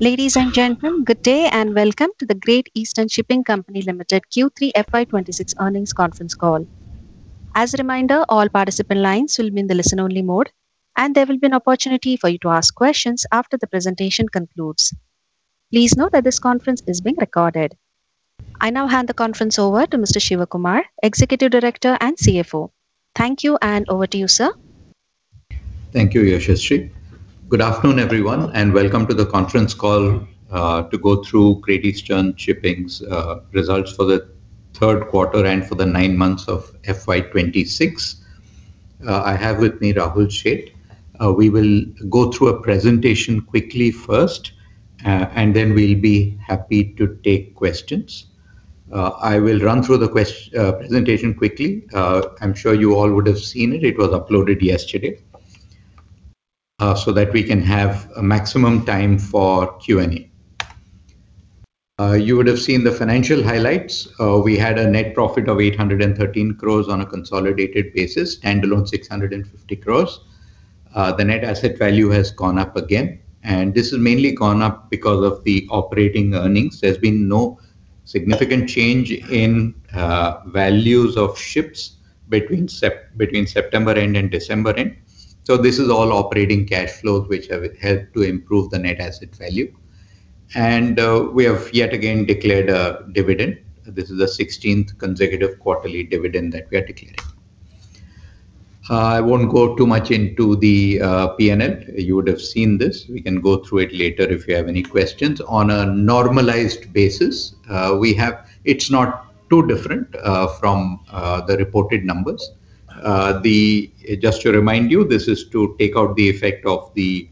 Ladies and gentlemen, good day, and welcome to The Great Eastern Shipping Company Ltd Q3 FY26 earnings conference call. As a reminder, all participant lines will be in the listen-only mode, and there will be an opportunity for you to ask questions after the presentation concludes. Please note that this conference is being recorded. I now hand the conference over to Mr. G. Shivakumar, Executive Director and CFO. Thank you, and over to you, sir. Thank you, Yashaswi. Good afternoon, everyone, and welcome to the conference call to go through Great Eastern Shipping's results for the third quarter and for the nine months of FY 2026. I have with me Rahul Sheth. We will go through a presentation quickly first, and then we'll be happy to take questions. I will run through the presentation quickly. I'm sure you all would have seen it. It was uploaded yesterday, so that we can have a maximum time for Q&A. You would have seen the financial highlights. We had a net profit of 813 crore on a consolidated basis, standalone 650 crore. The net asset value has gone up again, and this has mainly gone up because of the operating earnings. There's been no significant change in values of ships between September end and December end. This is all operating cash flows, which have helped to improve the net asset value. We have yet again declared a dividend. This is the 16th consecutive quarterly dividend that we are declaring. I won't go too much into the P&L. You would have seen this. We can go through it later if you have any questions. On a normalized basis, it's not too different from the reported numbers. Just to remind you, this is to take out the effect of the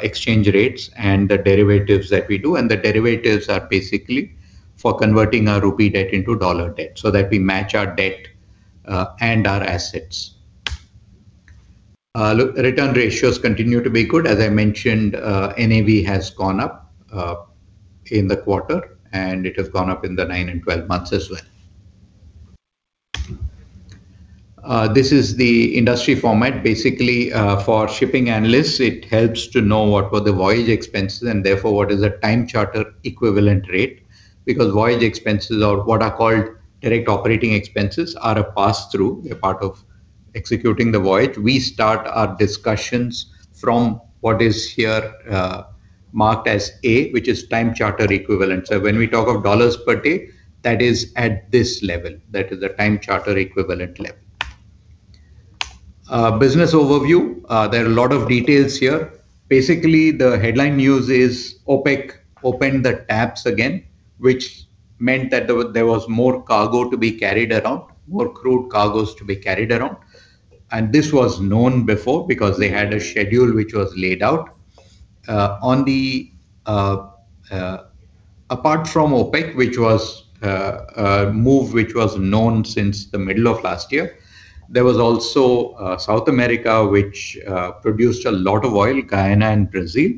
exchange rates and the derivatives that we do, and the derivatives are basically for converting our rupee debt into dollar debt, so that we match our debt and our assets. Look, return ratios continue to be good. As I mentioned, NAV has gone up in the quarter, and it has gone up in the nine and 12 months as well. This is the industry format. Basically, for shipping analysts, it helps to know what were the voyage expenses, and therefore what is the time charter equivalent rate. Because voyage expenses, or what are called direct operating expenses, are a pass-through, they're part of executing the voyage. We start our discussions from what is here, marked as A, which is time charter equivalent. So when we talk of dollars per day, that is at this level, that is the time charter equivalent level. Business overview, there are a lot of details here. Basically, the headline news is OPEC opened the taps again, which meant that there was, there was more cargo to be carried around, more crude cargoes to be carried around, and this was known before because they had a schedule which was laid out. Apart from OPEC, which was a move which was known since the middle of last year, there was also South America, which produced a lot of oil, Guyana and Brazil,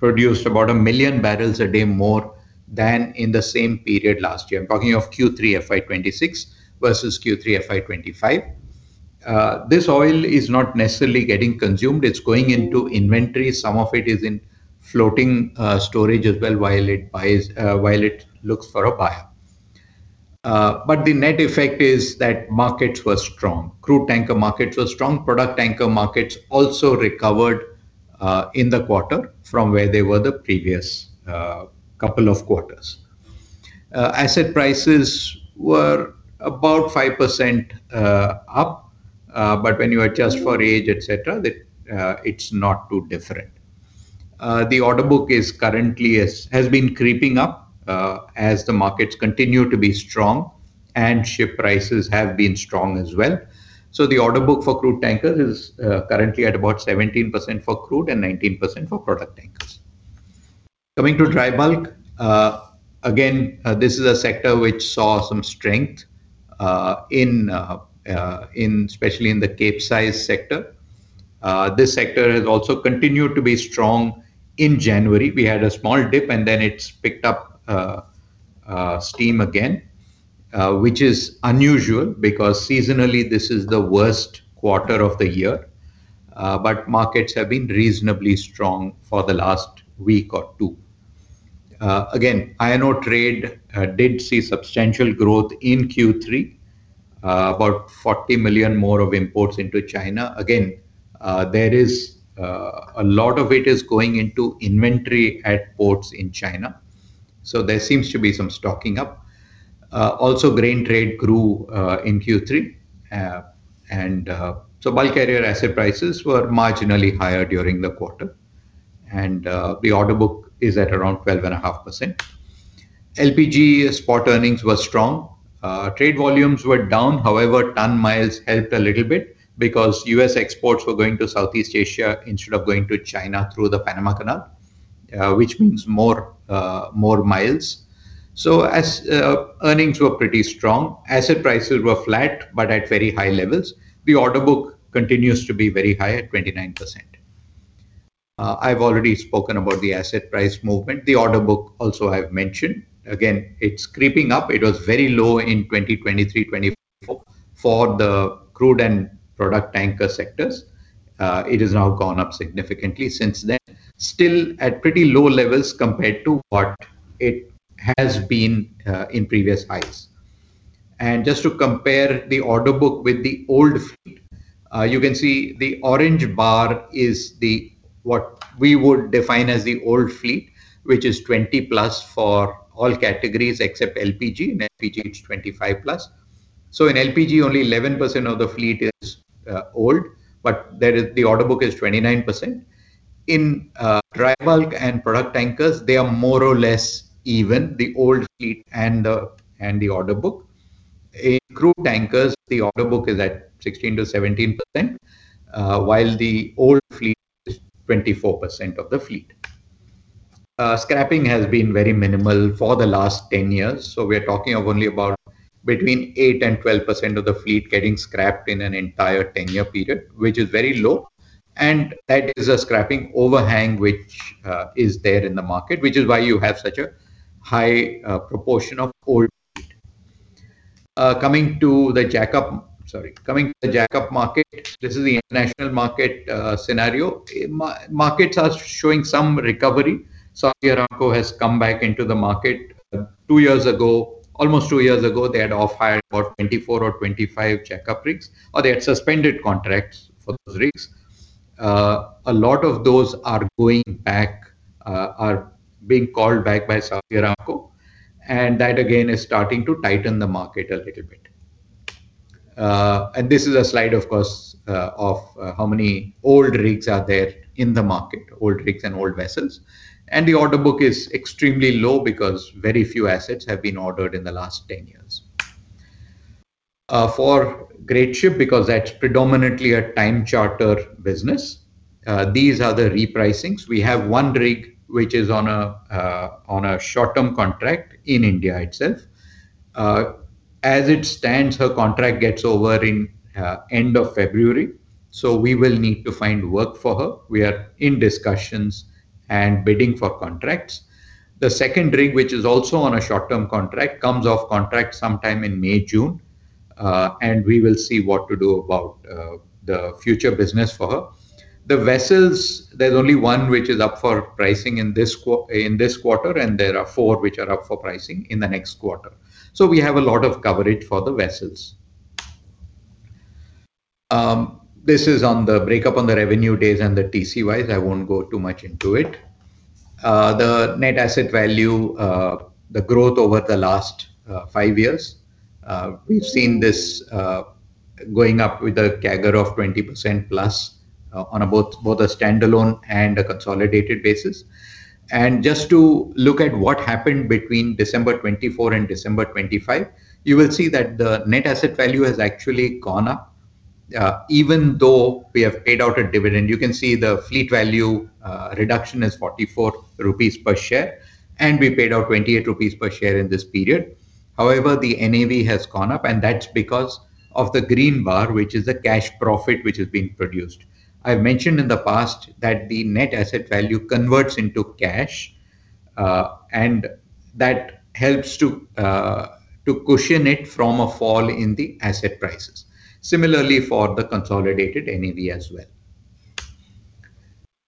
produced about 1 million barrels a day more than in the same period last year. I'm talking of Q3 FY 2026 versus Q3 FY 2025. This oil is not necessarily getting consumed, it's going into inventory. Some of it is in floating storage as well, while it buys, while it looks for a buyer. But the net effect is that markets were strong. Crude tanker markets were strong, product tanker markets also recovered in the quarter from where they were the previous couple of quarters. Asset prices were about 5% up, but when you adjust for age, et cetera, it's not too different. The order book currently has been creeping up as the markets continue to be strong, and ship prices have been strong as well. So the order book for crude tankers is currently at about 17% for crude and 19% for product tankers. Coming to dry bulk, again, this is a sector which saw some strength in, especially in the Capesize sector. This sector has also continued to be strong in January. We had a small dip, and then it's picked up steam again, which is unusual because seasonally this is the worst quarter of the year, but markets have been reasonably strong for the last week or two. Again, iron ore trade did see substantial growth in Q3, about 40 million more of imports into China. Again, there is a lot of it is going into inventory at ports in China, so there seems to be some stocking up. Also, grain trade grew in Q3, and so bulk carrier asset prices were marginally higher during the quarter, and the order book is at around 12.5%. LPG spot earnings were strong. Trade volumes were down, however, ton miles helped a little bit because U.S. exports were going to Southeast Asia instead of going to China through the Panama Canal, which means more, more miles. So as earnings were pretty strong, asset prices were flat, but at very high levels. The order book continues to be very high at 29%. I've already spoken about the asset price movement. The order book also I've mentioned. Again, it's creeping up. It was very low in 2023, 2024 for the crude and product tanker sectors, it has now gone up significantly since then. Still at pretty low levels compared to what it has been in previous highs. Just to compare the order book with the old fleet, you can see the orange bar is the, what we would define as the old fleet, which is 20+ for all categories except LPG, and LPG is 25+. So in LPG, only 11% of the fleet is old, but the order book is 29%. In dry bulk and product tankers, they are more or less even, the old fleet and the order book. In crude tankers, the order book is at 16%-17%, while the old fleet is 24% of the fleet. Scrapping has been very minimal for the last 10 years, so we are talking of only about between 8% and 12% of the fleet getting scrapped in an entire 10-year period, which is very low. That is a scrapping overhang which is there in the market, which is why you have such a high proportion of old fleet. Coming to the jack up market, sorry, coming to the jack up market, this is the international market scenario. Markets are showing some recovery. Saudi Aramco has come back into the market. Two years ago, almost two years ago, they had off hired about 24 or 25 jack up rigs, or they had suspended contracts for those rigs. A lot of those are going back, are being called back by Saudi Aramco, and that again is starting to tighten the market a little bit. And this is a slide, of course, of how many old rigs are there in the market, old rigs and old vessels. The order book is extremely low because very few assets have been ordered in the last 10 years. For Greatship, because that's predominantly a time charter business, these are the repricings. We have one rig which is on a on a short-term contract in India itself. As it stands, her contract gets over in end of February, so we will need to find work for her. We are in discussions and bidding for contracts. The second rig, which is also on a short-term contract, comes off contract sometime in May, June, and we will see what to do about the future business for her. The vessels, there's only one which is up for pricing in this quarter, and there are four which are up for pricing in the next quarter. So we have a lot of coverage for the vessels. This is on the breakup on the revenue days and the TC wise, I won't go too much into it. The net asset value, the growth over the last five years, we've seen this going up with a CAGR of 20%+, on both a standalone and a consolidated basis. And just to look at what happened between December 2024 and December 2025, you will see that the net asset value has actually gone up, even though we have paid out a dividend. You can see the fleet value reduction is 44 rupees per share, and we paid out 28 rupees per share in this period. However, the NAV has gone up, and that's because of the green bar, which is a cash profit which has been produced. I've mentioned in the past that the net asset value converts into cash, and that helps to cushion it from a fall in the asset prices. Similarly for the consolidated NAV as well.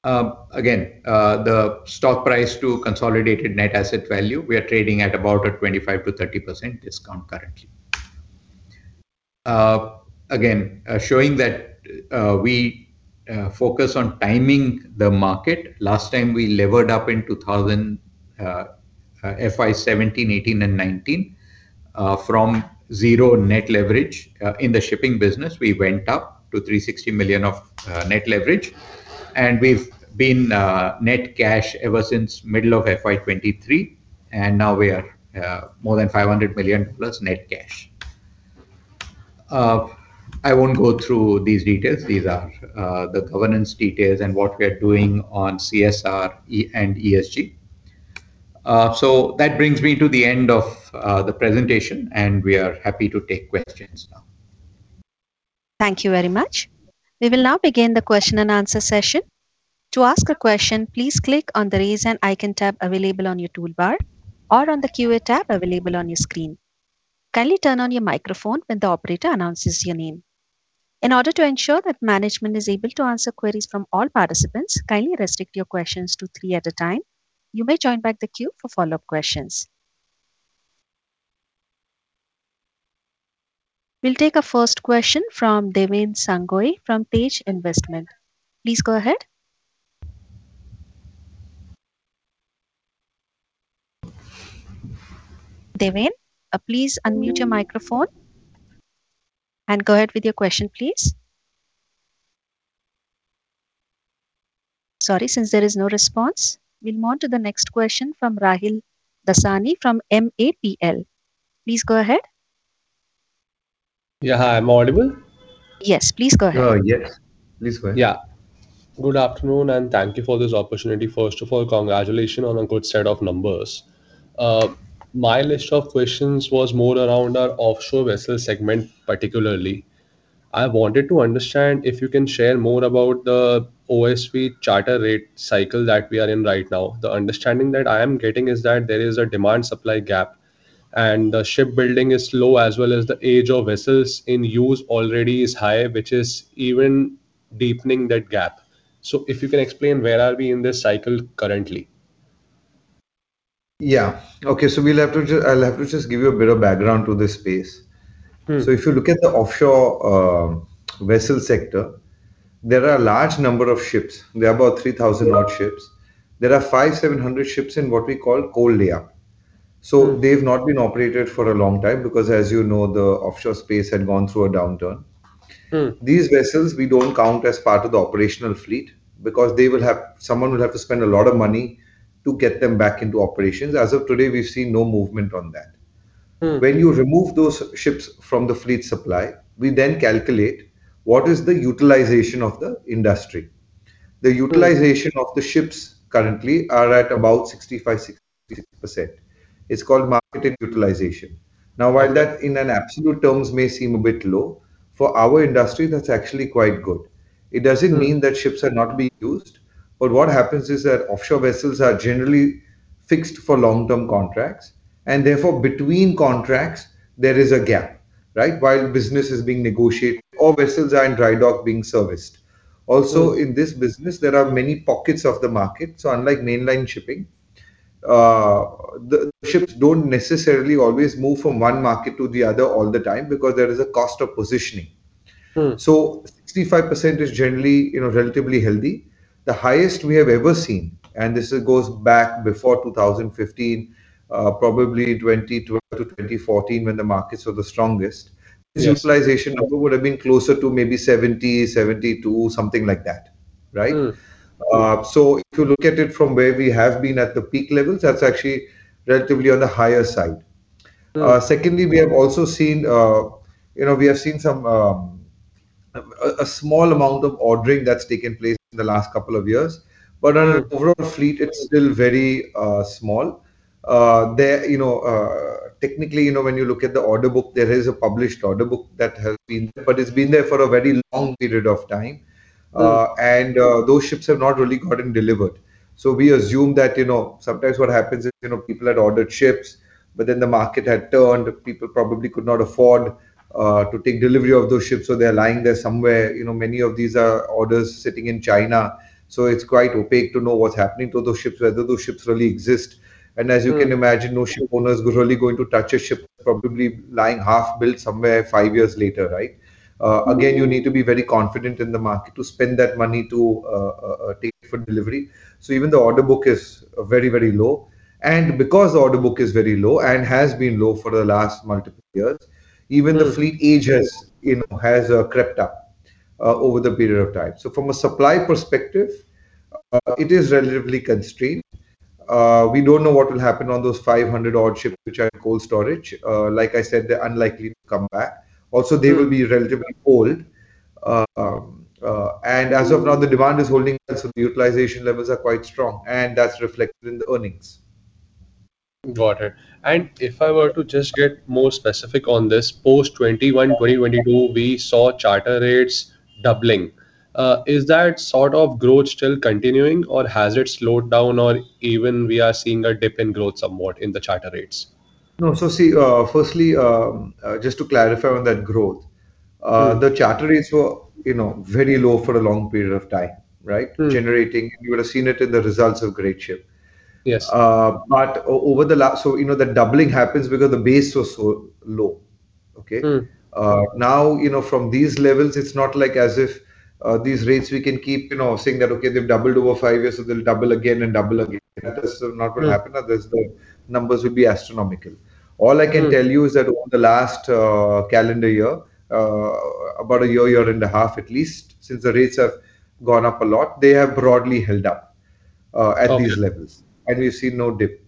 Again, the stock price to consolidated net asset value, we are trading at about a 25%-30% discount currently. Again, showing that, we focus on timing the market. Last time we levered up in 2000, FY 2017, 2018, and 2019, from 0 net leverage, in the shipping business, we went up to $360 million of net leverage. And we've been net cash ever since middle of FY 2023, and now we are more than $500 million+ net cash. I won't go through these details. These are the governance details and what we are doing on CSR and ESG. So that brings me to the end of the presentation, and we are happy to take questions now. Thank you very much. We will now begin the question-and-answer session. To ask a question, please click on the Raise Hand icon tab available on your toolbar or on the QA tab available on your screen. Kindly turn on your microphone when the operator announces your name. In order to ensure that management is able to answer queries from all participants, kindly restrict your questions to three at a time. You may join back the queue for follow-up questions. We'll take our first question from Deven Sangoi from Tej Investment. Please go ahead. Deven, please unmute your microphone and go ahead with your question, please. Sorry, since there is no response, we'll move to the next question from Rahil Dasani from MAPL. Please go ahead. Yeah. Hi, am I audible? Yes, please go ahead. Yes, please go ahead. Yeah. Good afternoon, and thank you for this opportunity. First of all, congratulations on a good set of numbers. My list of questions was more around our offshore vessel segment, particularly.... I wanted to understand if you can share more about the OSV charter rate cycle that we are in right now. The understanding that I am getting is that there is a demand-supply gap, and the shipbuilding is slow, as well as the age of vessels in use already is high, which is even deepening that gap. So if you can explain, where are we in this cycle currently? Yeah. Okay, so we'll have to just-- I'll have to just give you a bit of background to this space. Mm. So if you look at the offshore vessel sector, there are a large number of ships. There are about 3,000 odd ships. There are 500-700 ships in what we call cold layup. They've not been operated for a long time because, as you know, the offshore space had gone through a downturn. Mm. These vessels, we don't count as part of the operational fleet because they will have, someone will have to spend a lot of money to get them back into operations. As of today, we've seen no movement on that. Mm. When you remove those ships from the fleet supply, we then calculate what is the utilization of the industry. Mm. The utilization of the ships currently are at about 65%-66%. It's called marketed utilization. Now, while that, in an absolute terms, may seem a bit low, for our industry, that's actually quite good. It doesn't mean that ships are not being used, but what happens is that offshore vessels are generally fixed for long-term contracts, and therefore, between contracts, there is a gap, right? While business is being negotiated or vessels are in dry dock being serviced. Mm. Also, in this business, there are many pockets of the market. So unlike mainline shipping, the ships don't necessarily always move from one market to the other all the time because there is a cost of positioning. Mm. 65% is generally, you know, relatively healthy. The highest we have ever seen, and this goes back before 2015, probably 2012-2014, when the markets were the strongest- Yes... this utilization number would have been closer to maybe 70-72, something like that, right? Mm. If you look at it from where we have been at the peak levels, that's actually relatively on the higher side. Mm. Secondly, we have also seen. You know, we have seen some small amount of ordering that's taken place in the last couple of years, but on an- Mm... overall fleet, it's still very, small. There, you know, technically, you know, when you look at the order book, there is a published order book that has been... but it's been there for a very long period of time, and those ships have not really gotten delivered. So we assume that, you know, sometimes what happens is, you know, people had ordered ships, but then the market had turned. People probably could not afford to take delivery of those ships, so they're lying there somewhere. You know, many of these are orders sitting in China, so it's quite opaque to know what's happening to those ships, whether those ships really exist. Mm. As you can imagine, no shipowners are really going to touch a ship probably lying half-built somewhere five years later, right? Again, you need to be very confident in the market to spend that money to take for delivery. So even the order book is very, very low, and because the order book is very low and has been low for the last multiple years, even the- Mm... fleet age has, you know, crept up over the period of time. So from a supply perspective, it is relatively constrained. We don't know what will happen on those 500-odd ships which are in cold storage. Like I said, they're unlikely to come back. Mm. Also, they will be relatively old. As of now, the demand is holding, and so the utilization levels are quite strong, and that's reflected in the earnings. Got it. And if I were to just get more specific on this, post-2021, 2022, we saw charter rates doubling. Is that sort of growth still continuing, or has it slowed down, or even we are seeing a dip in growth somewhat in the charter rates? No. So see, firstly, just to clarify on that growth- Mm... the charter rates were, you know, very low for a long period of time, right? Mm. Generating, you would have seen it in the results of Greatship. Yes. So, you know, the doubling happens because the base was so low. Okay? Mm. Now, you know, from these levels, it's not like as if these rates we can keep, you know, saying that, okay, they've doubled over five years, so they'll double again and double again. That is not going to happen- Mm... unless the numbers would be astronomical. Mm. All I can tell you is that over the last calendar year, about a year, year and a half at least, since the rates have gone up a lot, they have broadly held up. Okay... at these levels, and we've seen no dip.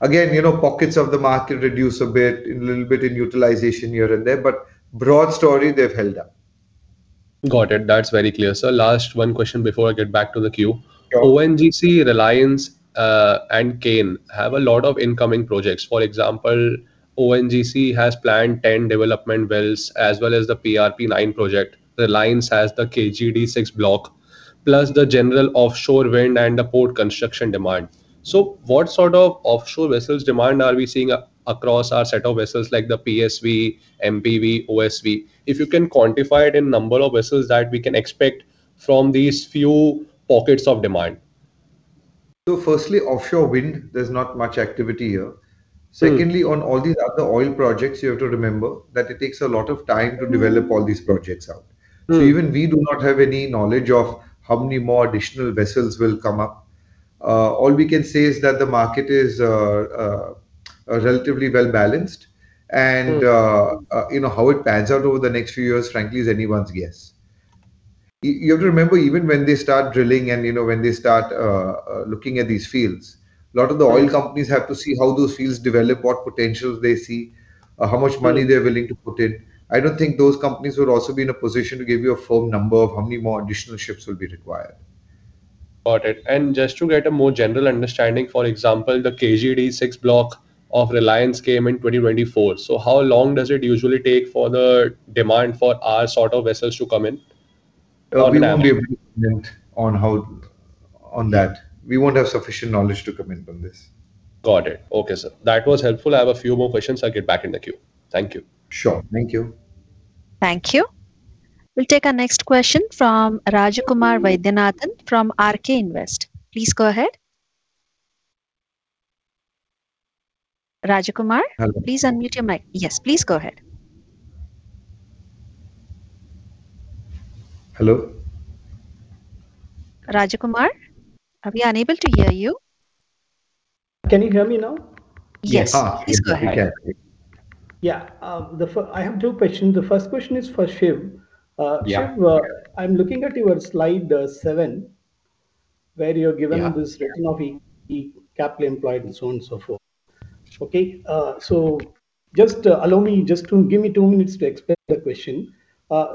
Again, you know, pockets of the market reduce a bit, a little bit in utilization here and there, but broad story, they've held up. Got it. That's very clear. So, last one question before I get back to the queue. Yeah. ONGC, Reliance, and Cairn have a lot of incoming projects. For example, ONGC has planned 10 development wells, as well as the PRP9 project. Reliance has the KG-D6 block, plus the general offshore wind and the port construction demand. So what sort of offshore vessels demand are we seeing across our set of vessels, like the PSV, MPV, OSV? If you can quantify it in number of vessels that we can expect from these few pockets of demand. Firstly, offshore wind, there's not much activity here. Mm. Secondly, on all these other oil projects, you have to remember that it takes a lot of time to develop- Mm... all these projects out. Mm. Even we do not have any knowledge of how many more additional vessels will come up. All we can say is that the market is relatively well-balanced, and Mm... you know, how it pans out over the next few years, frankly, is anyone's guess. You have to remember, even when they start drilling and, you know, when they start looking at these fields, a lot of the oil companies have to see how those fields develop, what potentials they see. Mm... how much money they're willing to put in. I don't think those companies would also be in a position to give you a firm number of how many more additional ships will be required. Got it. Just to get a more general understanding, for example, the KG-D6 block of Reliance came in 2024. How long does it usually take for the demand for our sort of vessels to come in? We won't be able to comment on that. We won't have sufficient knowledge to comment on this. Got it. Okay, sir. That was helpful. I have a few more questions. I'll get back in the queue. Thank you. Sure. Thank you. Thank you. We'll take our next question from Rajakumar Vaidyanathan from RK Invest. Please go ahead. Rajakumar? Hello. Please unmute your mic. Yes, please go ahead. Hello? Rajakumar, are we unable to hear you? Can you hear me now? Yes. Ah, yes, we can. Please go ahead. Yeah, I have two questions. The first question is for Shiv. Yeah. Shiv, I'm looking at your slide seven, where you have given- Yeah... this return of equity, capital employed, and so on and so forth. Okay, so just allow me to give me two minutes to explain the question.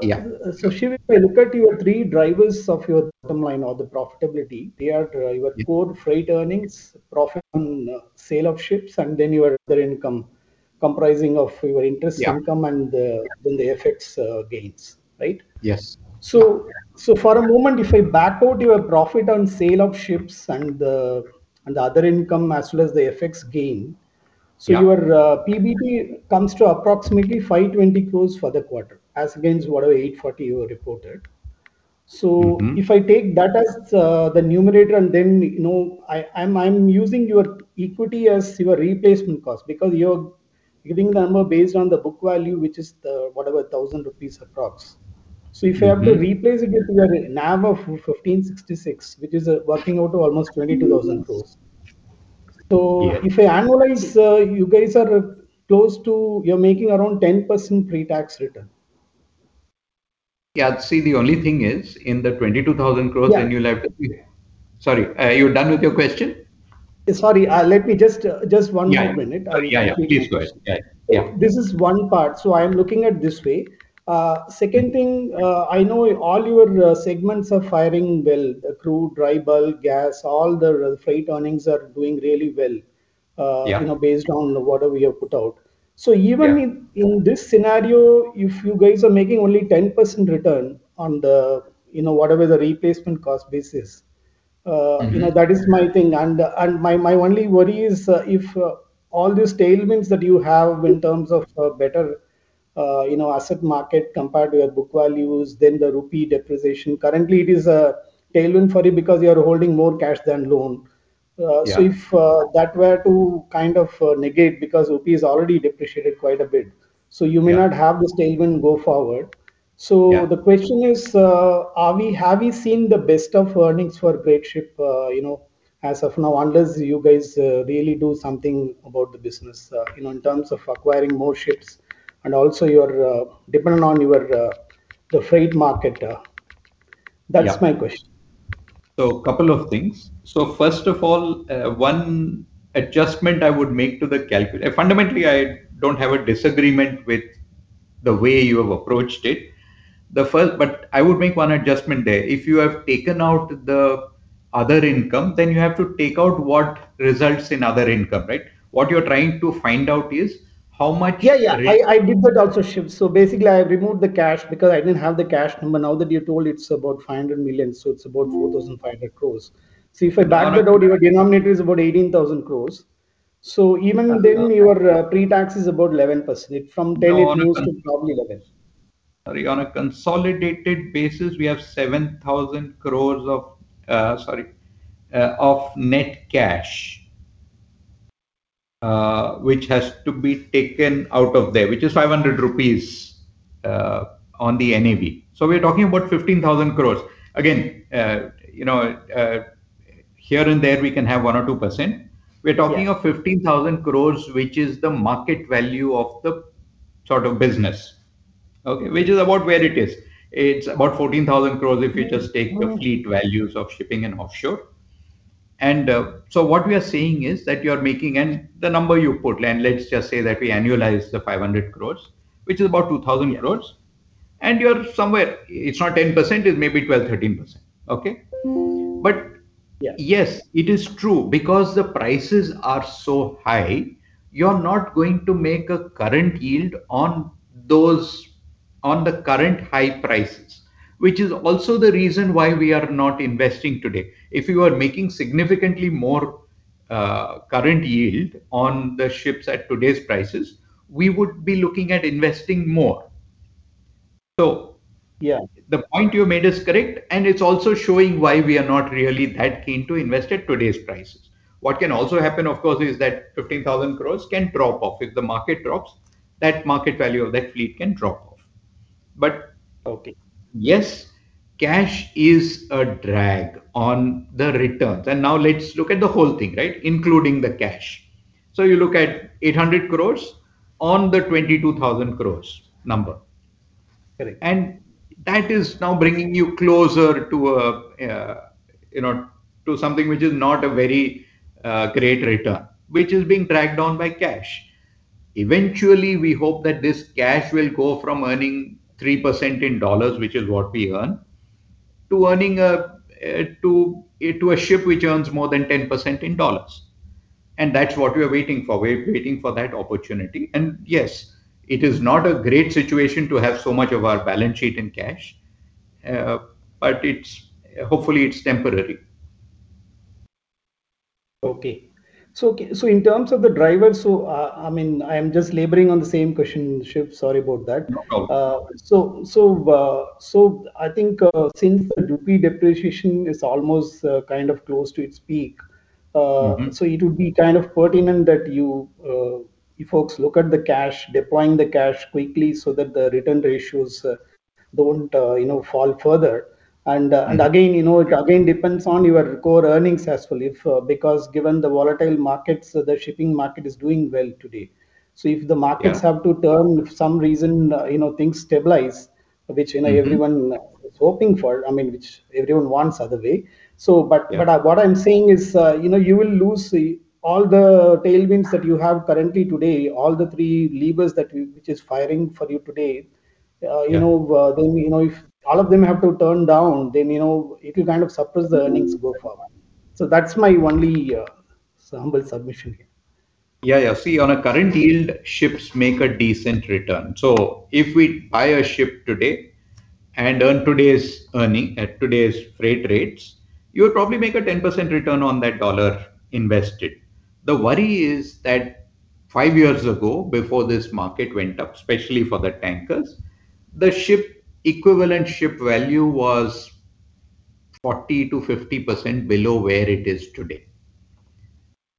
Yeah. So, Shiv, if I look at your three drivers of your bottom line or the profitability, they are your core freight earnings, profit on sale of ships, and then your other income comprising of your interest income- Yeah... and, then the FX gains, right? Yes. So, for a moment, if I back out your profit on sale of ships and the other income as well as the FX gain- Yeah... so your PBT comes to approximately 520 crore for the quarter, as against whatever 840 crore you have reported. Mm-hmm. If I take that as the numerator and then, you know, I'm using your equity as your replacement cost, because you're giving the number based on the book value, which is whatever 1,000 rupees approx. Mm-hmm. If you have to replace it with your NAV of 1,566, which is working out to almost 22,000 crore. Yeah. If I annualize, you guys are close to... You're making around 10% pre-tax return. Yeah, see, the only thing is, in the 22,000 crore- Yeah... then you'll have to... Sorry, are you done with your question? Sorry, let me just, just one more minute. Yeah. Yeah, yeah. Please go ahead. Yeah, yeah. This is one part, so I'm looking at this way. Second thing, I know all your segments are firing well, crude, dry bulk, gas, all the freight earnings are doing really well- Yeah... you know, based on what we have put out. Yeah. So even in this scenario, if you guys are making only 10% return on the, you know, whatever the replacement cost basis- Mm-hmm... you know, that is my thing. And my only worry is if all these tailwinds that you have in terms of a better, you know, asset market compared to your book values, then the rupee depreciation. Currently, it is a tailwind for you because you are holding more cash than loan. Yeah. So if that were to kind of negate, because rupee is already depreciated quite a bit, so you- Yeah... may not have this tailwind go forward. Yeah. So the question is, have we seen the best of earnings for Greatship, you know, as of now? Unless you guys really do something about the business, you know, in terms of acquiring more ships, and also you are dependent on your the freight market. Yeah. That's my question. So, couple of things. So first of all, one adjustment I would make. Fundamentally, I don't have a disagreement with the way you have approached it. But I would make one adjustment there. If you have taken out the other income, then you have to take out what results in other income, right? What you're trying to find out is, how much- Yeah, yeah. I, I did that also, Shiv. So basically, I removed the cash because I didn't have the cash number. Now that you told, it's about 500 million, so it's about 4,500 crore. Mm-hmm. So if I back that out, your denominator is about 18,000 crore. So even then- Okay... your pre-tax is about 11%. From 10%, it moves to probably 11%. Sorry, on a consolidated basis, we have 7,000 crore of net cash, which has to be taken out of there, which is 500 rupees on the NAV. So we're talking about 15,000 crore. Again, you know, here and there, we can have 1% or 2%. Yeah. We're talking of 15,000 crore, which is the market value of the sort of business, okay? Which is about where it is. It's about 14,000 crore if you just take- Mm-hmm... the fleet values of shipping and offshore. So what we are saying is that you are making, and the number you put, and let's just say that we annualize the 500 crore, which is about 2,000 crore. Yeah. You're somewhere... It's not 10%, it's maybe 12%-13%. Okay? Yeah. But yes, it is true, because the prices are so high, you're not going to make a current yield on those- on the current high prices, which is also the reason why we are not investing today. If you are making significantly more, current yield on the ships at today's prices, we would be looking at investing more. So- Yeah... the point you made is correct, and it's also showing why we are not really that keen to invest at today's prices. What can also happen, of course, is that 15,000 crore can drop off. If the market drops, that market value of that fleet can drop off. But- Okay ... yes, cash is a drag on the returns. And now let's look at the whole thing, right, including the cash. So you look at 800 crore on the 22,000 crore number. Correct. That is now bringing you closer to a, you know, to something which is not a very great return, which is being dragged down by cash. Eventually, we hope that this cash will go from earning 3% in dollars, which is what we earn, to earning to a ship which earns more than 10% in dollars. And that's what we are waiting for. We're waiting for that opportunity. And yes, it is not a great situation to have so much of our balance sheet in cash, but it's, hopefully it's temporary. Okay. So in terms of the drivers, so, I mean, I'm just laboring on the same question, Shiv, sorry about that. No, problem. So, I think, since the rupee depreciation is almost kind of close to its peak- Mm-hmm... so it would be kind of pertinent that you, you folks look at the cash, deploying the cash quickly so that the return ratios, don't, you know, fall further. Right. And again, you know, it again depends on your core earnings as well, if, because given the volatile markets, the shipping market is doing well today. So if the markets- Yeah... have to turn for some reason, you know, things stabilize, which, you know- Mm... everyone is hoping for, I mean, which everyone wants either way. Yeah... but what I'm saying is, you know, you will lose the, all the tailwinds that you have currently today, all the three levers that we, which is firing for you today, you know- Yeah... then, you know, if all of them have to turn down, then, you know, it will kind of suppress the earnings go forward. So that's my only, humble submission here. Yeah, yeah. See, on a current yield, ships make a decent return. So if we buy a ship today and earn today's earning at today's freight rates, you would probably make a 10% return on that $1 invested. The worry is that five years ago, before this market went up, especially for the tankers, the ship, equivalent ship value was 40%-50% below where it is today.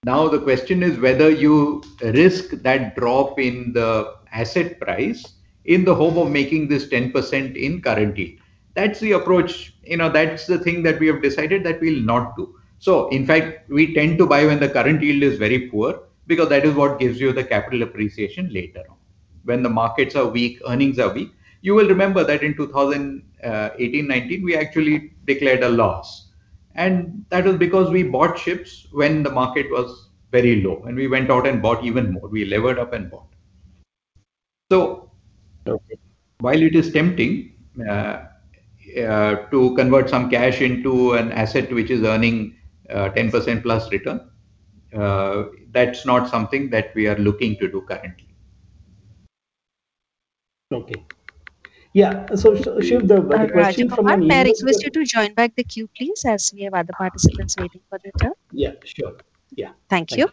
Now, the question is whether you risk that drop in the asset price in the hope of making this 10% in current yield. That's the approach, you know, that's the thing that we have decided that we'll not do. So in fact, we tend to buy when the current yield is very poor, because that is what gives you the capital appreciation later on. When the markets are weak, earnings are weak. You will remember that in 2018, 2019, we actually declared a loss, and that was because we bought ships when the market was very low, and we went out and bought even more. We levered up and bought. So- Okay... while it is tempting to convert some cash into an asset which is earning 10%+ return, that's not something that we are looking to do currently. Okay. Yeah, so Shiv, the question from- Rajakumar, may I request you to join back the queue, please, as we have other participants waiting for their turn? Yeah, sure. Yeah. Thank you.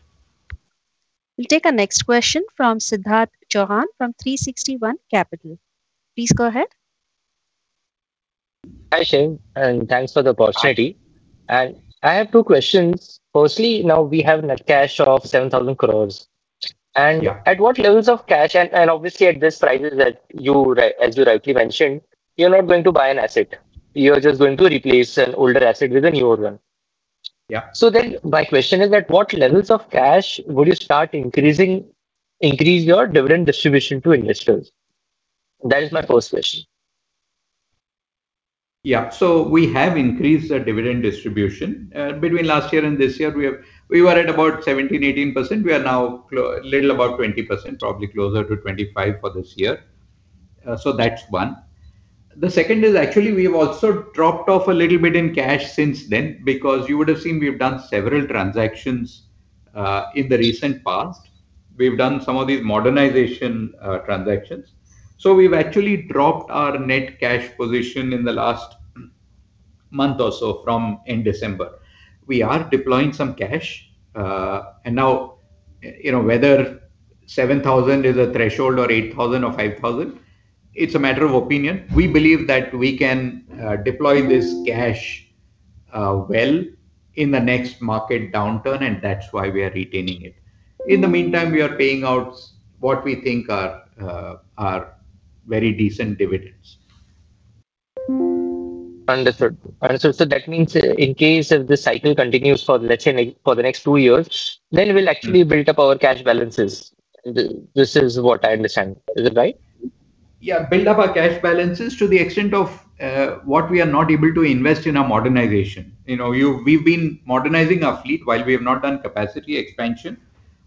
We'll take our next question from Siddharth Chauhan from 360 ONE Capital. Please go ahead. Hi, Shiv, and thanks for the opportunity. Hi. I have two questions: firstly, now we have net cash of 7,000 crore. Yeah. At what levels of cash, and obviously at these prices that you, as you rightly mentioned, you're not going to buy an asset, you're just going to replace an older asset with a newer one. Yeah. My question is that, what levels of cash would you start increasing, increase your dividend distribution to investors? That is my first question. Yeah. So we have increased our dividend distribution. Between last year and this year, we were at about 17%-18%. We are now little about 20%, probably closer to 25% for this year. So that's one. The second is, actually, we have also dropped off a little bit in cash since then, because you would have seen we've done several transactions in the recent past. We've done some of these modernization transactions. So we've actually dropped our net cash position in the last month or so from in December. We are deploying some cash. And now, you know, whether 7,000 is a threshold, or 8,000, or 5,000, it's a matter of opinion. We believe that we can deploy this cash well in the next market downturn, and that's why we are retaining it. In the meantime, we are paying out what we think are, are very decent dividends. Understood. Understood. So that means, in case if this cycle continues for, let's say, like for the next two years, then we'll actually build up our cash balances. This is what I understand. Is it right? Yeah, build up our cash balances to the extent of what we are not able to invest in our modernization. You know, we've been modernizing our fleet while we have not done capacity expansion.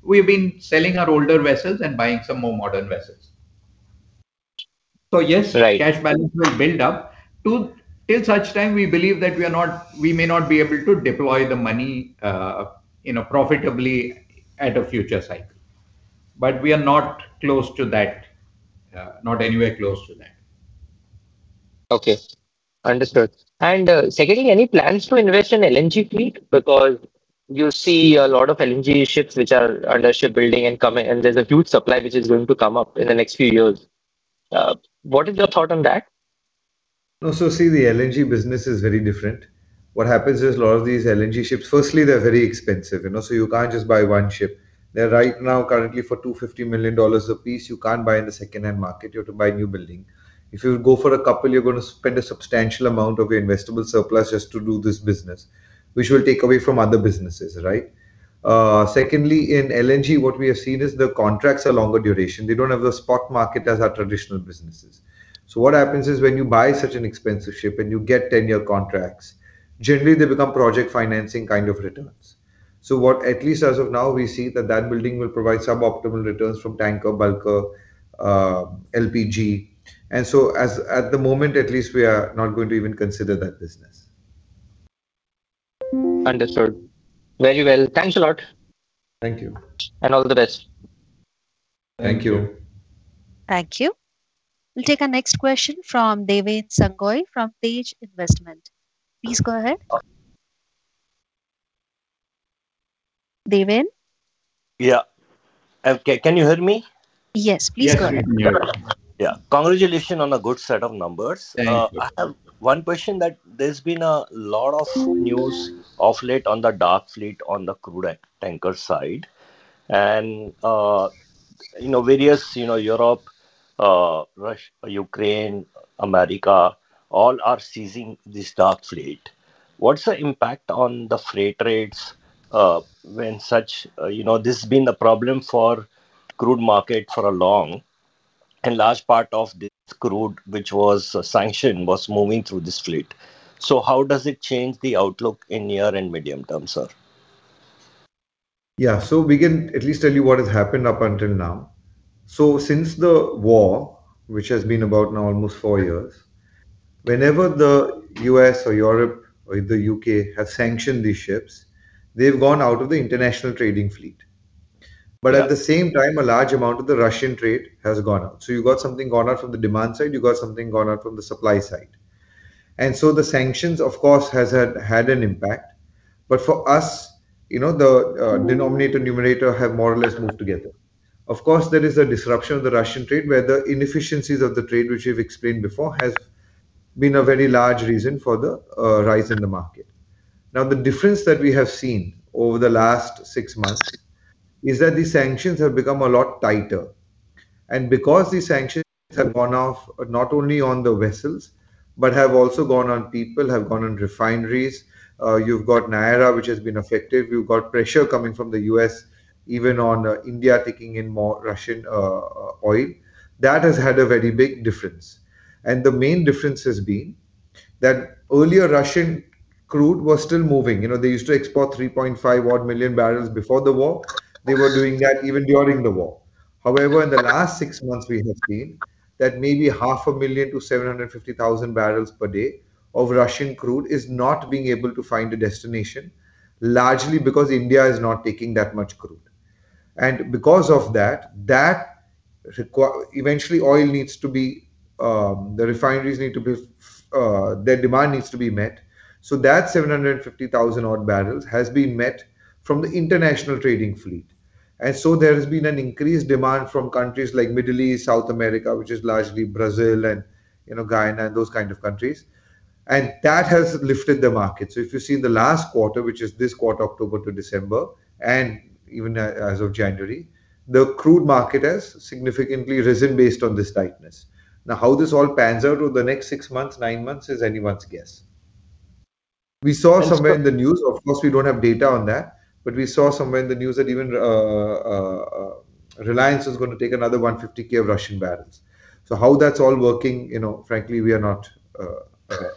We've been selling our older vessels and buying some more modern vessels. So yes- Right... cash balances will build up to, till such time we believe that we are not—we may not be able to deploy the money in a profitably at a future cycle. But we are not close to that, not anywhere close to that. Okay, understood. And, secondly, any plans to invest in LNG fleet? Because you see a lot of LNG ships which are under shipbuilding and coming, and there's a huge supply which is going to come up in the next few years. What is your thought on that? So see, the LNG business is very different. What happens is, a lot of these LNG ships, firstly, they're very expensive, you know, so you can't just buy one ship. They're right now currently for $250 million a piece. You can't buy in the secondhand market; you have to buy new building. If you go for a couple, you're going to spend a substantial amount of your investable surplus just to do this business, which will take away from other businesses, right? Secondly, in LNG, what we have seen is the contracts are longer duration. They don't have the spot market as our traditional businesses. So what happens is, when you buy such an expensive ship and you get 10-year contracts, generally they become project financing kind of returns. so what at least as of now, we see that that building will provide sub-optimal returns from tanker, bulker, LPG. So as, at the moment at least, we are not going to even consider that business. Understood. Very well. Thanks a lot. Thank you. All the best. Thank you. Thank you. We'll take our next question from Deven Sangoi from TEJ Investment. Please go ahead. Deven? Yeah. Can you hear me? Yes, please go ahead. Yes, we can hear you. Yeah. Congratulations on a good set of numbers. Thank you. I have one question, that there's been a lot of news of late on the dark fleet on the crude tanker side, and, you know, various, you know, Europe, Russia-Ukraine, America, all are seizing this dark fleet. What's the impact on the freight rates, when such... you know, this has been a problem for crude market for a long and large part of this crude, which was sanctioned, was moving through this fleet. So how does it change the outlook in near and medium term, sir? Yeah. We can at least tell you what has happened up until now. Since the war, which has been about now almost four years, whenever the U.S. or Europe or the U.K. have sanctioned these ships, they've gone out of the international trading fleet. Yeah. But at the same time, a large amount of the Russian trade has gone out. So you've got something gone out from the demand side, you've got something gone out from the supply side. And so the sanctions, of course, has had, had an impact, but for us, you know, the denominator, numerator have more or less moved together. Of course, there is a disruption of the Russian trade, where the inefficiencies of the trade, which we've explained before, has been a very large reason for the rise in the market. Now, the difference that we have seen over the last six months is that the sanctions have become a lot tighter, and because these sanctions have gone off not only on the vessels, but have also gone on people, have gone on refineries, you've got Nayara, which has been affected. You've got pressure coming from the U.S., even on India taking in more Russian oil. That has had a very big difference, and the main difference has been that earlier Russian crude was still moving. You know, they used to export 3.5-odd million barrels before the war. They were doing that even during the war. However, in the last six months, we have seen that maybe 500,000-750,000 barrels per day of Russian crude is not being able to find a destination, largely because India is not taking that much crude. And because of that, eventually, oil needs to be, the refineries need to be, their demand needs to be met. So that 750,000-odd barrels has been met from the international trading fleet, and so there has been an increased demand from countries like Middle East, South America, which is largely Brazil and, you know, Guyana and those kind of countries, and that has lifted the market. So if you've seen the last quarter, which is this quarter, October to December, and even as of January, the crude market has significantly risen based on this tightness. Now, how this all pans out over the next six months, nine months, is anyone's guess. Thanks for- We saw somewhere in the news. Of course, we don't have data on that, but we saw somewhere in the news that even Reliance is going to take another 150,000 of Russian barrels. So how that's all working, you know, frankly, we are not aware.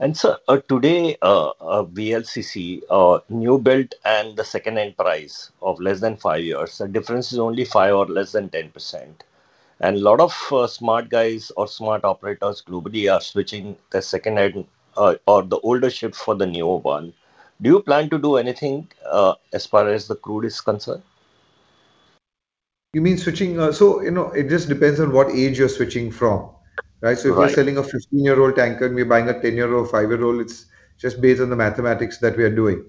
And so, today, the VLCC new build and the second-hand price of less than five years, the difference is only 5% or less than 10%. And a lot of smart guys or smart operators globally are switching the second-hand or the older ship for the newer one. Do you plan to do anything as far as the crude is concerned? You mean switching? So, you know, it just depends on what age you're switching from, right? Right. So if you're selling a 15-year-old tanker and you're buying a 10-year-old, 5-year-old, it's just based on the mathematics that we are doing.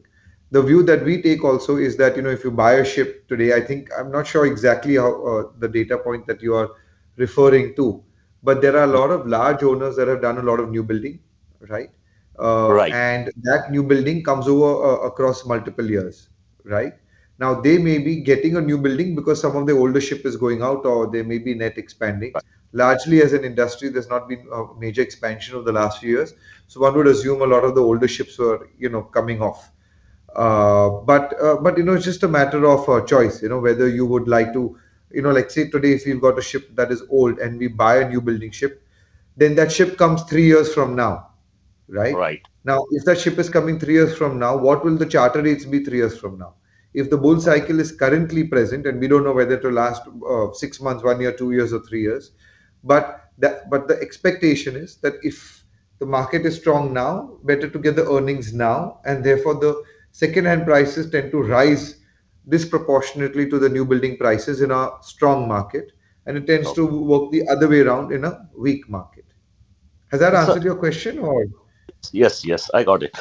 The view that we take also is that, you know, if you buy a ship today, I think... I'm not sure exactly how, the data point that you are referring to, but there are a lot of large owners that have done a lot of new building, right? Right. And that new building comes over across multiple years, right? Now, they may be getting a new building because some of the older ship is going out, or they may be net expanding. Right. Largely as an industry, there's not been a major expansion over the last few years, so one would assume a lot of the older ships were, you know, coming off. But you know, it's just a matter of choice, you know, whether you would like to... You know, like, say today, if you've got a ship that is old and we buy a new building ship, then that ship comes three years from now, right? Right. Now, if that ship is coming three years from now, what will the charter rates be three years from now? If the bull cycle is currently present, and we don't know whether it will last six months, one year, two years, or three years, but the expectation is that if the market is strong now, better to get the earnings now, and therefore, the second-hand prices tend to rise disproportionately to the new building prices in a strong market- Oh... and it tends to work the other way around in a weak market. Has that answered your question, or? Yes, yes, I got it.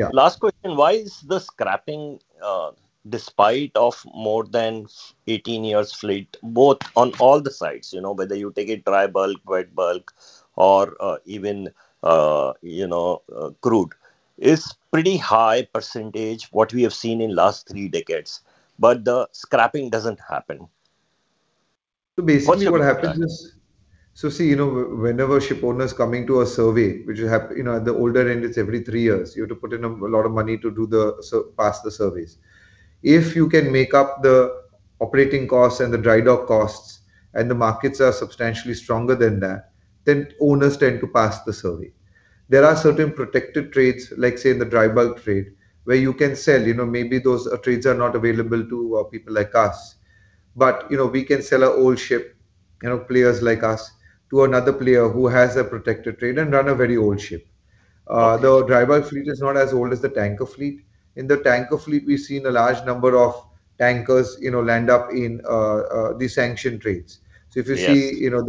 Yeah... last question, why is the scrapping, despite of more than 18 years fleet, both on all the sides, you know, whether you take it dry bulk, wet bulk, or even, you know, crude, it's pretty high percentage what we have seen in last three decades, but the scrapping doesn't happen. So basically- What's your plan?... what happens is, so see, you know, whenever shipowner is coming to a survey, which you know, at the older end, it's every three years. You have to put in a lot of money to do, pass the surveys. If you can make up the operating costs and the dry dock costs, and the markets are substantially stronger than that, then owners tend to pass the survey. There are certain protected trades, like, say, in the dry bulk trade, where you can sell. You know, maybe those trades are not available to people like us, but, you know, we can sell an old ship, you know, players like us, to another player who has a protected trade and run a very old ship. Okay. The dry bulk fleet is not as old as the tanker fleet. In the tanker fleet, we've seen a large number of tankers, you know, land up in the sanction trades. Yes. So if you see, you know,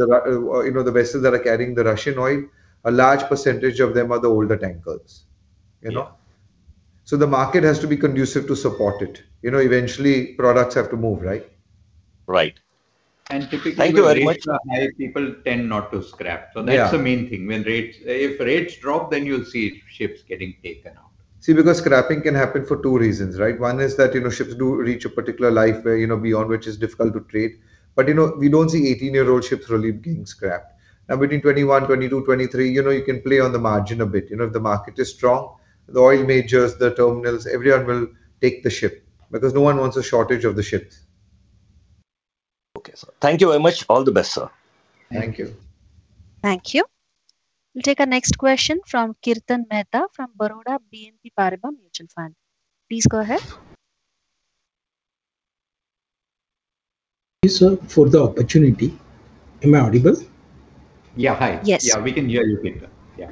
the vessels that are carrying the Russian oil, a large percentage of them are the older tankers, you know? Yeah. So the market has to be conducive to support it. You know, eventually, products have to move, right? Right. And typically- Thank you very much. People tend not to scrap. Yeah. That's the main thing. When rates, if rates drop, then you'll see ships getting taken out. See, because scrapping can happen for two reasons, right? One is that, you know, ships do reach a particular life where, you know, beyond which it's difficult to trade. But, you know, we don't see 18-year-old ships really being scrapped. Now, between 21, 22, 23, you know, you can play on the margin a bit. You know, if the market is strong, the oil majors, the terminals, everyone will take the ship because no one wants a shortage of the ships. Okay, sir. Thank you very much. All the best, sir. Thank you. Thank you. Thank you. We'll take our next question from Kirtan Mehta, from Baroda BNP Paribas Mutual Fund. Please go ahead. Thank you, sir, for the opportunity. Am I audible? Yeah. Hi. Yes. Yeah, we can hear you clearly. Yeah.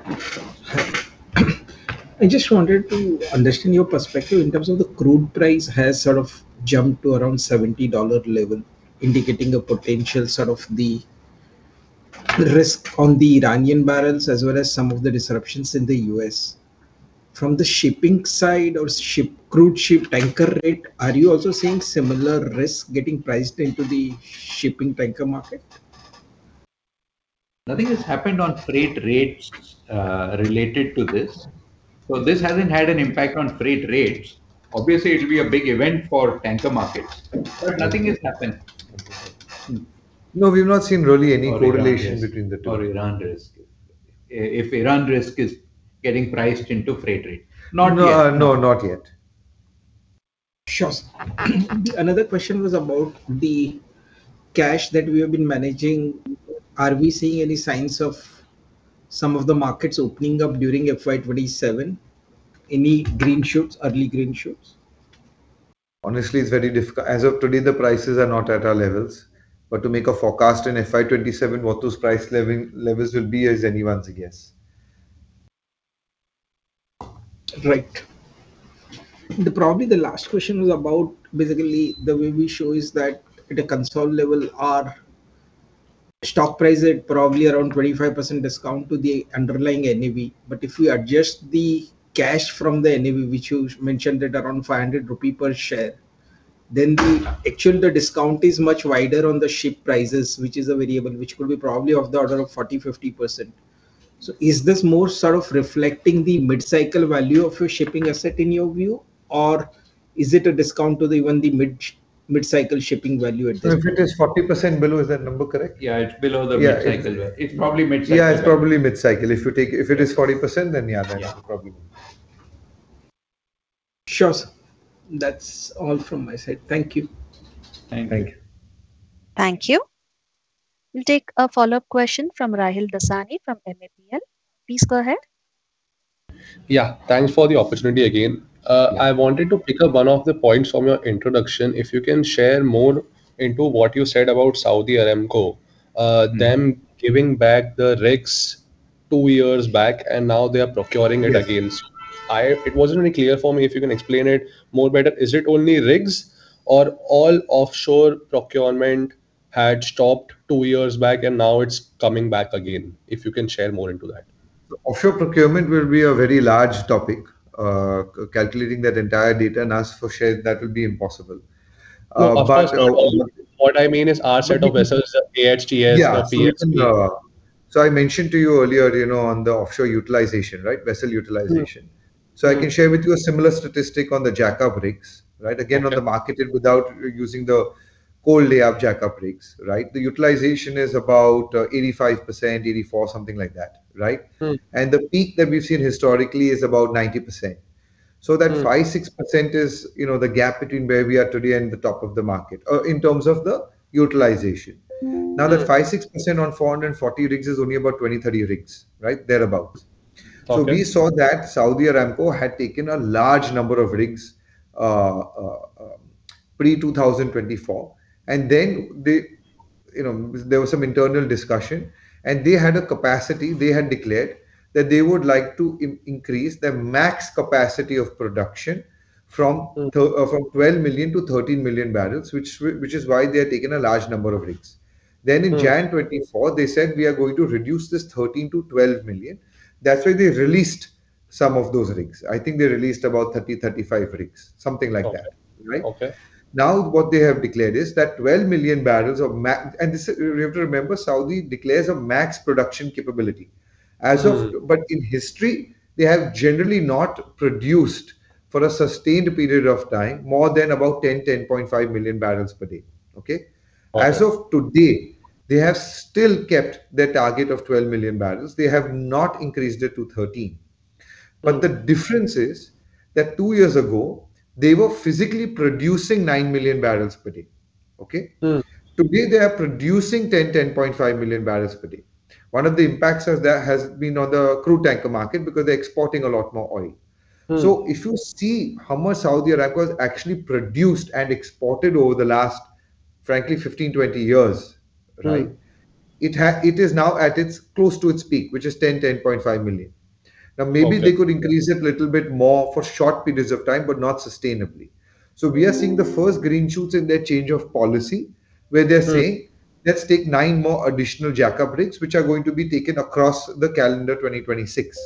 I just wanted to understand your perspective in terms of the crude price has sort of jumped to around $70 level, indicating a potential sort of the risk on the Iranian barrels, as well as some of the disruptions in the U.S. From the shipping side or ship-crude ship tanker rate, are you also seeing similar risk getting priced into the shipping tanker market? Nothing has happened on freight rates, related to this, so this hasn't had an impact on freight rates. Obviously, it will be a big event for tanker markets but nothing has happened. No, we've not seen really any correlation between the two. Or Iran risk. If Iran risk is getting priced into freight rate. No, no, not yet. Sure. Another question was about the cash that we have been managing. Are we seeing any signs of some of the markets opening up during FY 2027? Any green shoots, early green shoots? Honestly, it's very difficult. As of today, the prices are not at our levels. But to make a forecast in FY 2027, what those price levels will be is anyone's guess. Right. The, probably the last question was about basically the way we show is that at a console level, our stock price is probably around 25% discount to the underlying NAV. But if we adjust the cash from the NAV, which you mentioned it, around 500 rupees per share, then the- Mm... actually, the discount is much wider on the ship prices, which is a variable which could be probably of the order of 40%-50%. So is this more sort of reflecting the mid-cycle value of your shipping asset in your view? Or is it a discount to the, when the mid-cycle shipping value at this point? If it is 40% below, is that number correct? Yeah, it's below the mid-cycle value. Yeah, it's- It's probably mid-cycle. Yeah, it's probably mid-cycle. If you take... Yes. If it is 40%, then yeah, then yeah. Probably. Sure, sir. That's all from my side. Thank you. Thank you. Thank you. Thank you. We'll take a follow-up question from Rahil Dasani, from MAPL. Please go ahead. Yeah. Thanks for the opportunity again. I wanted to pick up one of the points from your introduction. If you can share more into what you said about Saudi Aramco? Mm... them giving back the rigs two years back, and now they are procuring it again. I, it wasn't really clear for me. If you can explain it more better, is it only rigs or all offshore procurement had stopped two years back and now it's coming back again? If you can share more into that. Offshore procurement will be a very large topic. Calculating that entire data and as for share, that would be impossible. But- No, of course, what I mean is our set of vessels, AHTS or PSV. So I mentioned to you earlier, you know, on the offshore utilization, right? Vessel utilization. Mm. I can share with you a similar statistic on the jack up rigs, right? Okay. Again, on the market and without using the cold lay up jack up rigs, right? The utilization is about 85%, 84%, something like that, right? Mm. The peak that we've seen historically is about 90%. Mm. That 5%-6% is, you know, the gap between where we are today and the top of the market, in terms of the utilization. Yeah. Now, that 5%-6% on 440 rigs is only about 20-30 rigs, right? Thereabouts. Okay. So we saw that Saudi Aramco had taken a large number of rigs pre-2024, and then they... You know, there was some internal discussion, and they had a capacity, they had declared, that they would like to increase their max capacity of production from thir- Mm... from 12 million to 13 million barrels, which is why they have taken a large number of rigs. Mm. Then in January 2024, they said: "We are going to reduce this 13-12 million." That's why they released some of those rigs. I think they released about 30-35 rigs, something like that. Okay. Right? Okay. Now, what they have declared is that 12 million barrels and this, we have to remember, Saudi declares a max production capability. Mm. As of... But in history, they have generally not produced, for a sustained period of time, more than about 10, 10.5 million barrels per day, okay? Okay. As of today, they have still kept their target of 12 million barrels. They have not increased it to 13.... but the difference is that two years ago, they were physically producing 9 million barrels per day, okay? Mm. Today, they are producing 10.5 million barrels per day. One of the impacts of that has been on the crude tanker market because they're exporting a lot more oil. Mm. So if you see how much Saudi Aramco has actually produced and exported over the last, frankly, 15, 20 years, right? Mm. It is now close to its peak, which is $10 million-$10.5 million. Okay. Now, maybe they could increase it a little bit more for short periods of time, but not sustainably. Mm. So we are seeing the first green shoots in their change of policy, where they're- Mm... saying, "Let's take nine more additional jackup rigs," which are going to be taken across the calendar 2026.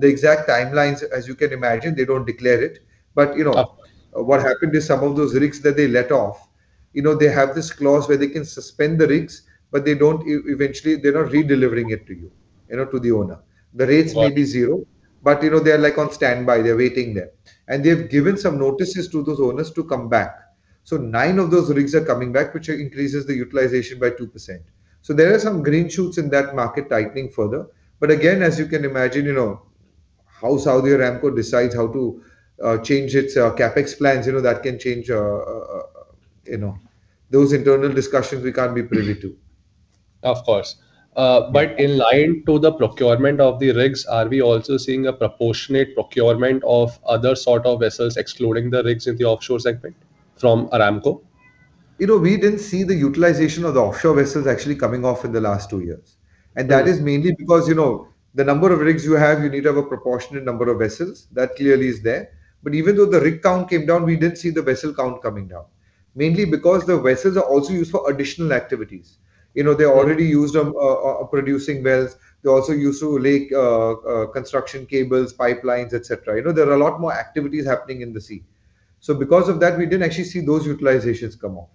The exact timelines, as you can imagine, they don't declare it, but, you know- Of course... what happened to some of those rigs that they let off, you know, they have this clause where they can suspend the rigs, but they don't eventually, they're not redelivering it to you, you know, to the owner. Right. The rates may be zero, but, you know, they are, like, on standby. They're waiting there, and they've given some notices to those owners to come back. So nine of those rigs are coming back, which increases the utilization by 2%. So there are some green shoots in that market tightening further, but again, as you can imagine, you know, how Saudi Aramco decides how to change its CapEx plans, you know, that can change, you know... Those internal discussions, we can't be privy to. Of course. But in line to the procurement of the rigs, are we also seeing a proportionate procurement of other sort of vessels excluding the rigs in the offshore segment from Aramco? You know, we didn't see the utilization of the offshore vessels actually coming off in the last two years. Mm. That is mainly because, you know, the number of rigs you have, you need to have a proportionate number of vessels. That clearly is there. But even though the rig count came down, we didn't see the vessel count coming down, mainly because the vessels are also used for additional activities. You know, they are already used on producing wells. They're also used to lay construction cables, pipelines, et cetera. You know, there are a lot more activities happening in the sea. So because of that, we didn't actually see those utilizations come off.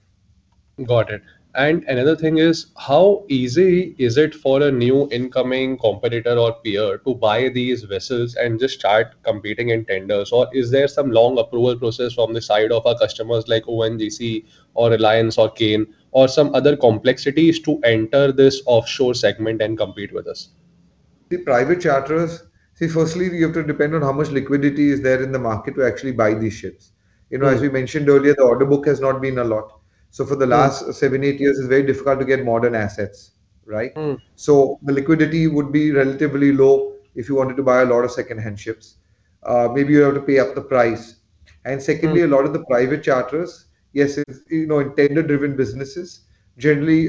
Got it. And another thing is, how easy is it for a new incoming competitor or peer to buy these vessels and just start competing in tenders? Or is there some long approval process from the side of our customers, like ONGC or Reliance or Cairn, or some other complexities to enter this offshore segment and compete with us? The private charters... See, firstly, we have to depend on how much liquidity is there in the market to actually buy these ships. Mm. You know, as we mentioned earlier, the order book has not been a lot. Mm. For the last seven, eight years, it's very difficult to get modern assets, right? Mm. So the liquidity would be relatively low if you wanted to buy a lot of second-hand ships. Maybe you have to pay up the price. Mm. And secondly, a lot of the private charters, yes, it's, you know, in tender-driven businesses, generally,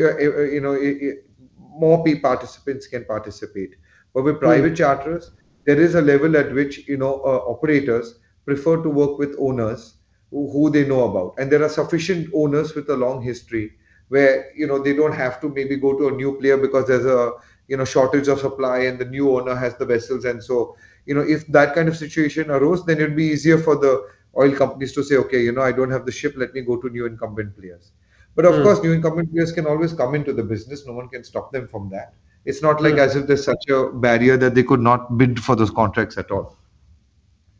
more peer participants can participate. Mm. But with private charters, there is a level at which, you know, operators prefer to work with owners who they know about, and there are sufficient owners with a long history, where, you know, they don't have to maybe go to a new player because there's a, you know, shortage of supply, and the new owner has the vessels and so... You know, if that kind of situation arose, then it would be easier for the oil companies to say, okay, you know, I don't have the ship, let me go to new incumbent players. Mm. Of course, new incumbent players can always come into the business. No one can stop them from that. Yeah. It's not like as if there's such a barrier that they could not bid for those contracts at all.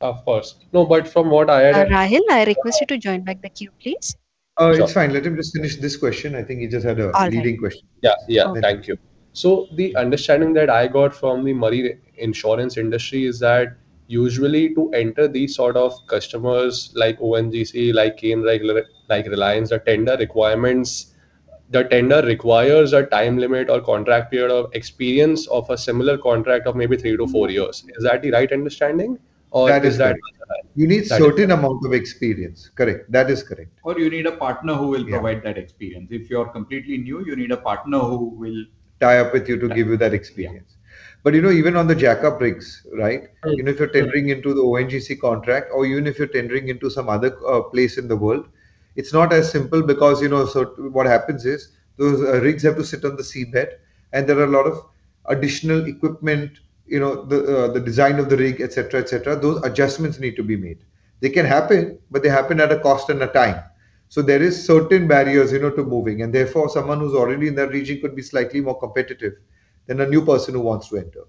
Of course. No, but from what I understand- Rahil, I request you to join back the queue, please. Oh, it's fine. Sure. Let him just finish this question. I think he just had a- All right... leading question. Yeah, yeah. Okay. Thank you. So the understanding that I got from the marine insurance industry is that usually to enter these sort of customers, like ONGC, like Cairn, like Reliance, the tender requirements, the tender requires a time limit or contract period of experience of a similar contract of maybe 3-4 years. Is that the right understanding, or is that- That is right. That is- You need certain amount of experience. Correct. That is correct. Or you need a partner who will- Yeah... provide that experience. If you are completely new, you need a partner who will- Tie up with you to give you that experience. Yeah. But you know, even on the jack up rigs, right? Mm. Even if you're tendering into the ONGC contract or even if you're tendering into some other place in the world, it's not as simple because, you know, so what happens is, those rigs have to sit on the seabed, and there are a lot of additional equipment, you know, the design of the rig, et cetera, et cetera. Those adjustments need to be made. They can happen, but they happen at a cost and a time. So there is certain barriers, you know, to moving, and therefore, someone who's already in that region could be slightly more competitive than a new person who wants to enter.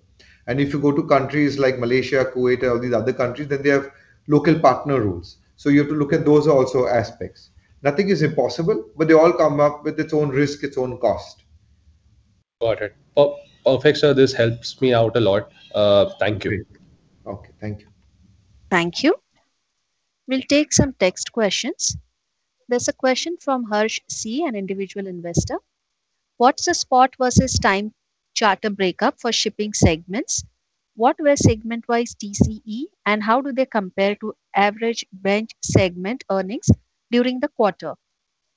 And if you go to countries like Malaysia, Kuwait, or these other countries, then they have local partner rules, so you have to look at those also aspects. Nothing is impossible, but they all come up with its own risk, its own cost. Got it. Perfect, sir, this helps me out a lot. Thank you. Great. Okay, thank you. Thank you. We'll take some text questions. There's a question from Harsh C, an individual investor: "What's the spot versus time charter breakdown for shipping segments? What were segment-wise TCE, and how do they compare to average benchmark segment earnings during the quarter?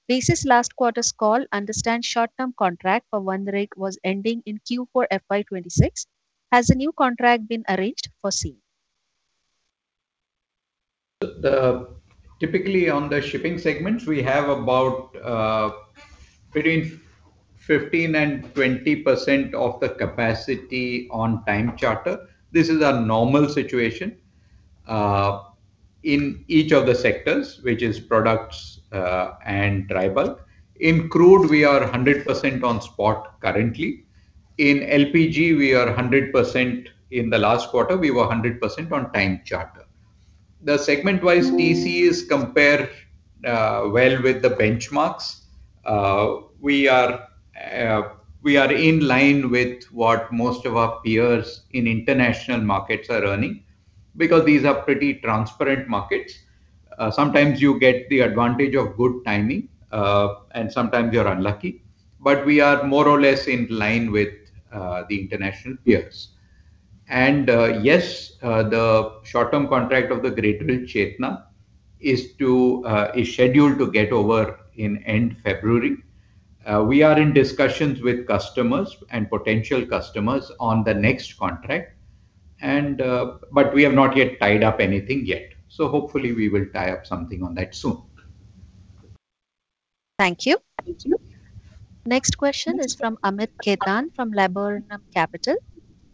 Based on last quarter's call, understand short-term contract for one rig was ending in Q4 FY 2026. Has a new contract been arranged for sea? Typically on the shipping segments, we have about between 15%-20% of the capacity on time charter. This is a normal situation in each of the sectors, which is products and dry bulk. In crude, we are 100% on spot currently. In LPG, we are 100%. In the last quarter, we were 100% on time charter. The segment-wise TCE is compared well with the benchmarks. We are in line with what most of our peers in international markets are earning, because these are pretty transparent markets. Sometimes you get the advantage of good timing, and sometimes you're unlucky. But we are more or less in line with the international peers. And yes, the short-term contract of the Greatdrill Chetna is scheduled to get over in end February. We are in discussions with customers and potential customers on the next contract, and but we have not yet tied up anything yet. So hopefully we will tie up something on that soon. Thank you. Thank you. Next question is from Amit Khetan, from Laburnum Capital.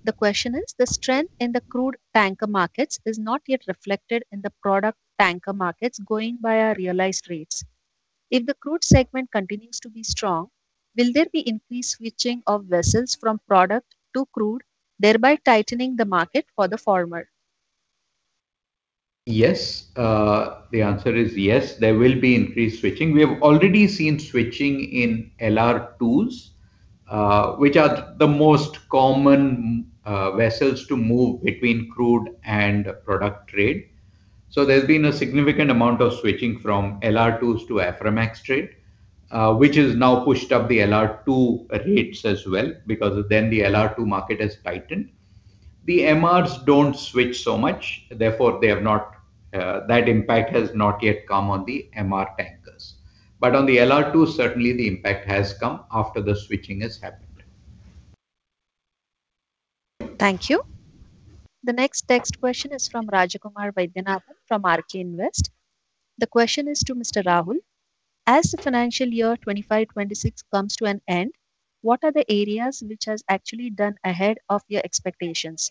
The question is: The strength in the crude tanker markets is not yet reflected in the product tanker markets, going by our realized rates. If the crude segment continues to be strong, will there be increased switching of vessels from product to crude, thereby tightening the market for the former? Yes. The answer is yes, there will be increased switching. We have already seen switching in LR2s, which are the most common vessels to move between crude and product trade. So there's been a significant amount of switching from LR2s to Aframax trade, which has now pushed up the LR2 rates as well, because then the LR2 market has tightened. The MRs don't switch so much, therefore they have not... That impact has not yet come on the MR tankers. But on the LR2, certainly the impact has come after the switching has happened. Thank you. The next text question is from Rajakumar Vaidyanathan, from RK Invest. The question is to Mr. Rahul: As the financial year 2025, 2026 comes to an end, what are the areas which has actually done ahead of your expectations?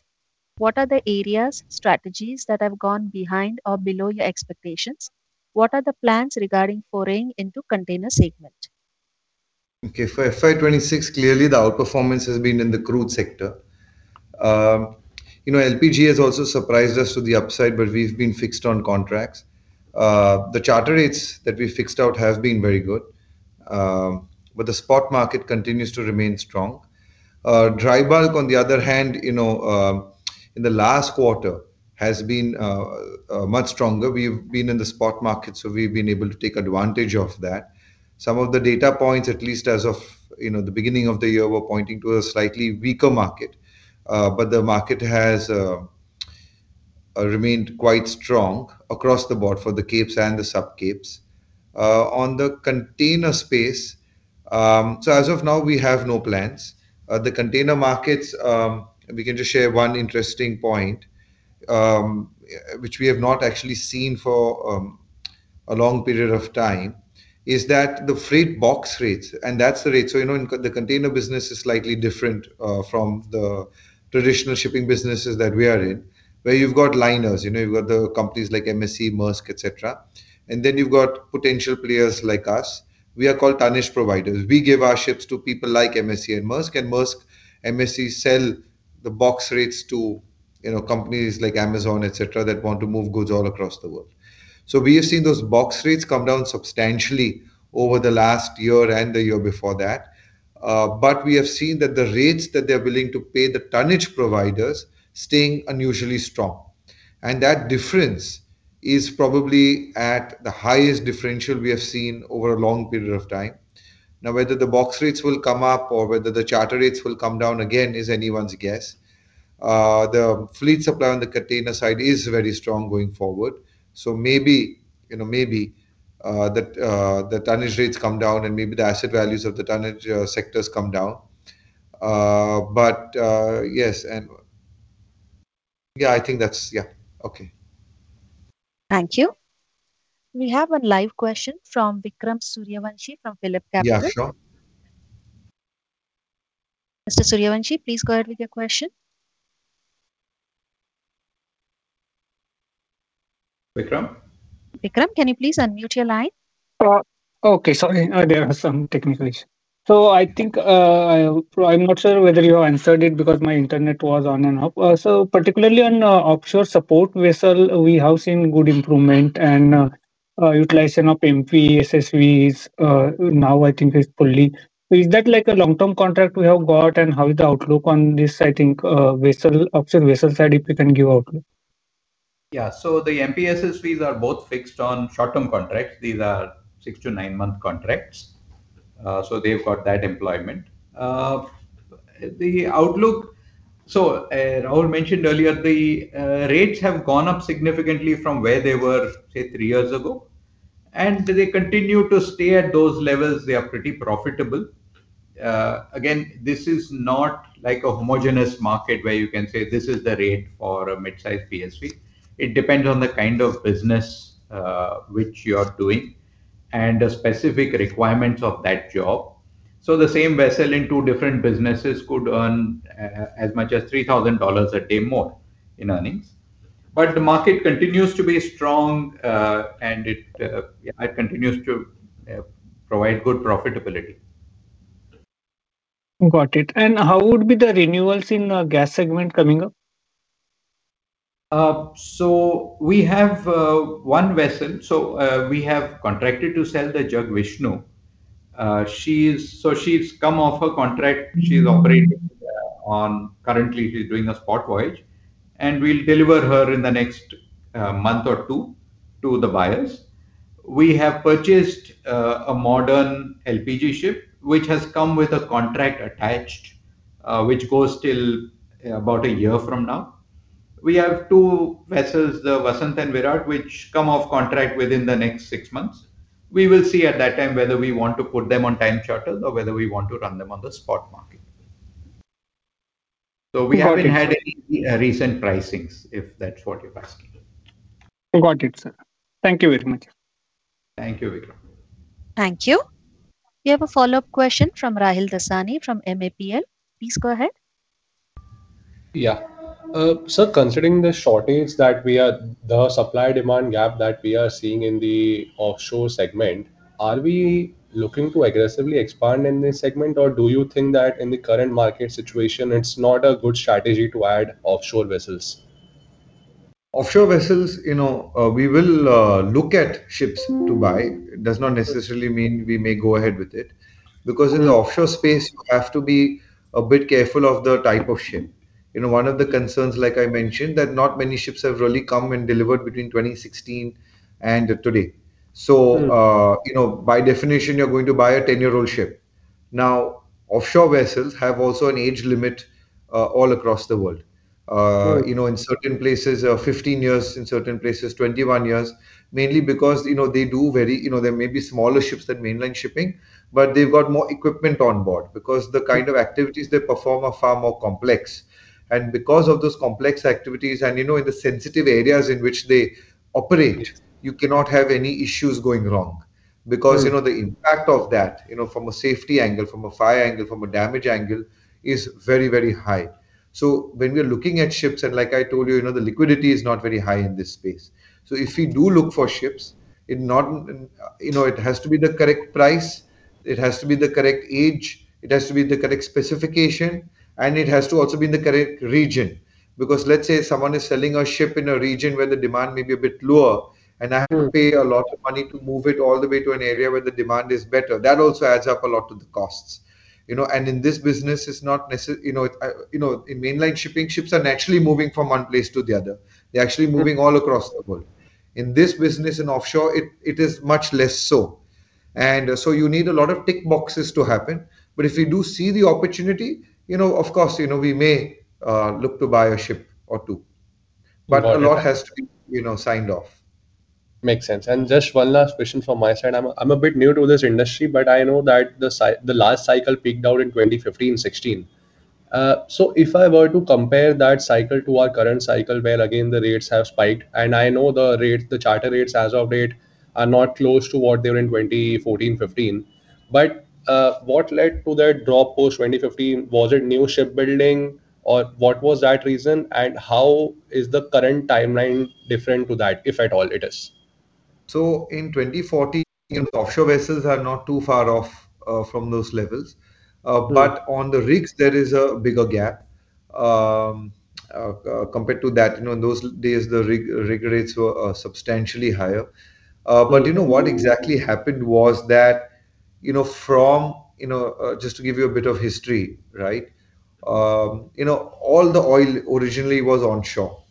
What are the areas, strategies that have gone behind or below your expectations? What are the plans regarding foraying into container segment? Okay. For FY 2026, clearly the outperformance has been in the crude sector. You know, LPG has also surprised us to the upside, but we've been fixed on contracts. The charter rates that we fixed out have been very good, but the spot market continues to remain strong. Dry bulk, on the other hand, you know, in the last quarter has been much stronger. We've been in the spot market, so we've been able to take advantage of that. Some of the data points, at least as of, you know, the beginning of the year, were pointing to a slightly weaker market, but the market has remained quite strong across the board for the Capes and the Sub-Capes. On the container space, so as of now, we have no plans. The container markets, we can just share one interesting point, which we have not actually seen for a long period of time, is that the freight box rates, and that's the rate... So, you know, in the container business is slightly different from the traditional shipping businesses that we are in, where you've got liners, you know, you've got the companies like MSC, Maersk, et cetera, and then you've got potential players like us. We are called tonnage providers. We give our ships to people like MSC and Maersk, and Maersk, MSC sell the box rates to, you know, companies like Amazon, et cetera, that want to move goods all across the world. So we have seen those box rates come down substantially over the last year and the year before that. But we have seen that the rates that they're willing to pay the tonnage providers staying unusually strong, and that difference is probably at the highest differential we have seen over a long period of time. Now, whether the box rates will come up or whether the charter rates will come down again is anyone's guess. The fleet supply on the container side is very strong going forward, so maybe, you know, maybe, the, the tonnage rates come down and maybe the asset values of the tonnage, sectors come down. But, yes, and... Yeah, I think that's-- Yeah. Okay. Thank you. We have a live question from Vikram Suryavanshi, from PhillipCapital. Yeah, sure. Mr. Suryavanshi, please go ahead with your question. Vikram? Vikram, can you please unmute your line? Okay. Sorry, there are some technical issues. So I think, I'm not sure whether you answered it, because my internet was on and off. So particularly on offshore support vessel, we have seen good improvement and utilization of MP, SSVs now I think is fully. Is that like a long-term contract we have got, and how is the outlook on this, I think, vessel, offshore vessel side, if you can give outlook? Yeah. So the MP SSVs are both fixed on short-term contracts. These are six to nine-month contracts. So they've got that employment. The outlook, Rahul mentioned earlier, the rates have gone up significantly from where they were, say, three years ago, and they continue to stay at those levels. They are pretty profitable. Again, this is not like a homogeneous market where you can say, "This is the rate for a mid-sized PSV." It depends on the kind of business, which you are doing and the specific requirements of that job. So the same vessel in two different businesses could earn, as much as $3,000 a day more in earnings. But the market continues to be strong, and it continues to provide good profitability. Got it. And how would be the renewals in, gas segment coming up? We have one vessel. We have contracted to sell the Jag Vishnu. She's come off her contract- Mm-hmm... she's operating on, currently she's doing a spot voyage, and we'll deliver her in the next month or two to the buyers. We have purchased a modern LPG ship, which has come with a contract attached, which goes till about a year from now. We have two vessels, the Vasant and Virat, which come off contract within the next six months. We will see at that time whether we want to put them on time charters or whether we want to run them on the spot market. Got it. We haven't had any recent pricings, if that's what you're asking. Got it, sir. Thank you very much. Thank you, Vikram. Thank you. We have a follow-up question from Rahil Dasani from MAPL. Please go ahead. Yeah. Sir, considering the supply-demand gap that we are seeing in the offshore segment, are we looking to aggressively expand in this segment? Or do you think that in the current market situation, it's not a good strategy to add offshore vessels? Offshore vessels, you know, we will look at ships to buy. It does not necessarily mean we may go ahead with it, because in the offshore space, you have to be a bit careful of the type of ship. You know, one of the concerns, like I mentioned, that not many ships have really come and delivered between 2016 and today. Mm. So, you know, by definition, you're going to buy a 10-year-old ship. Now, offshore vessels have also an age limit, all across the world. Sure. You know, in certain places, 15 years, in certain places, 21 years, mainly because, you know, they do vary. You know, there may be smaller ships than mainline shipping, but they've got more equipment on board, because the kind of activities they perform are far more complex. And because of those complex activities, and, you know, in the sensitive areas in which they operate, you cannot have any issues going wrong. Mm. Because, you know, the impact of that, you know, from a safety angle, from a fire angle, from a damage angle, is very, very high. So when we are looking at ships, and like I told you, you know, the liquidity is not very high in this space. So if we do look for ships, you know, it has to be the correct price, it has to be the correct age, it has to be the correct specification, and it has to also be in the correct region. Because let's say someone is selling a ship in a region where the demand may be a bit lower- Mm... and I have to pay a lot of money to move it all the way to an area where the demand is better, that also adds up a lot to the costs. You know, and in this business, it's not necessarily, you know, you know, in mainline shipping, ships are naturally moving from one place to the other. They're actually moving- Mm... all across the world. In this business, in offshore, it is much less so. And so you need a lot of tick boxes to happen. But if we do see the opportunity, you know, of course, you know, we may look to buy a ship or two. Got it. A lot has to be, you know, signed off. Makes sense. And just one last question from my side. I'm a bit new to this industry, but I know that the last cycle peaked out in 2015, 2016. So if I were to compare that cycle to our current cycle, where again, the rates have spiked, and I know the rates, the charter rates as of date are not close to what they were in 2014, 2015. But what led to that drop post 2015? Was it new ship building, or what was that reason, and how is the current timeline different to that, if at all it is? So in 2014, offshore vessels are not too far off from those levels. Mm. But on the rigs, there is a bigger gap. Compared to that, you know, in those days, the rig rates were substantially higher. Mm. But you know, what exactly happened was that, you know, from. You know, just to give you a bit of history, right? You know, all the oil originally was onshore,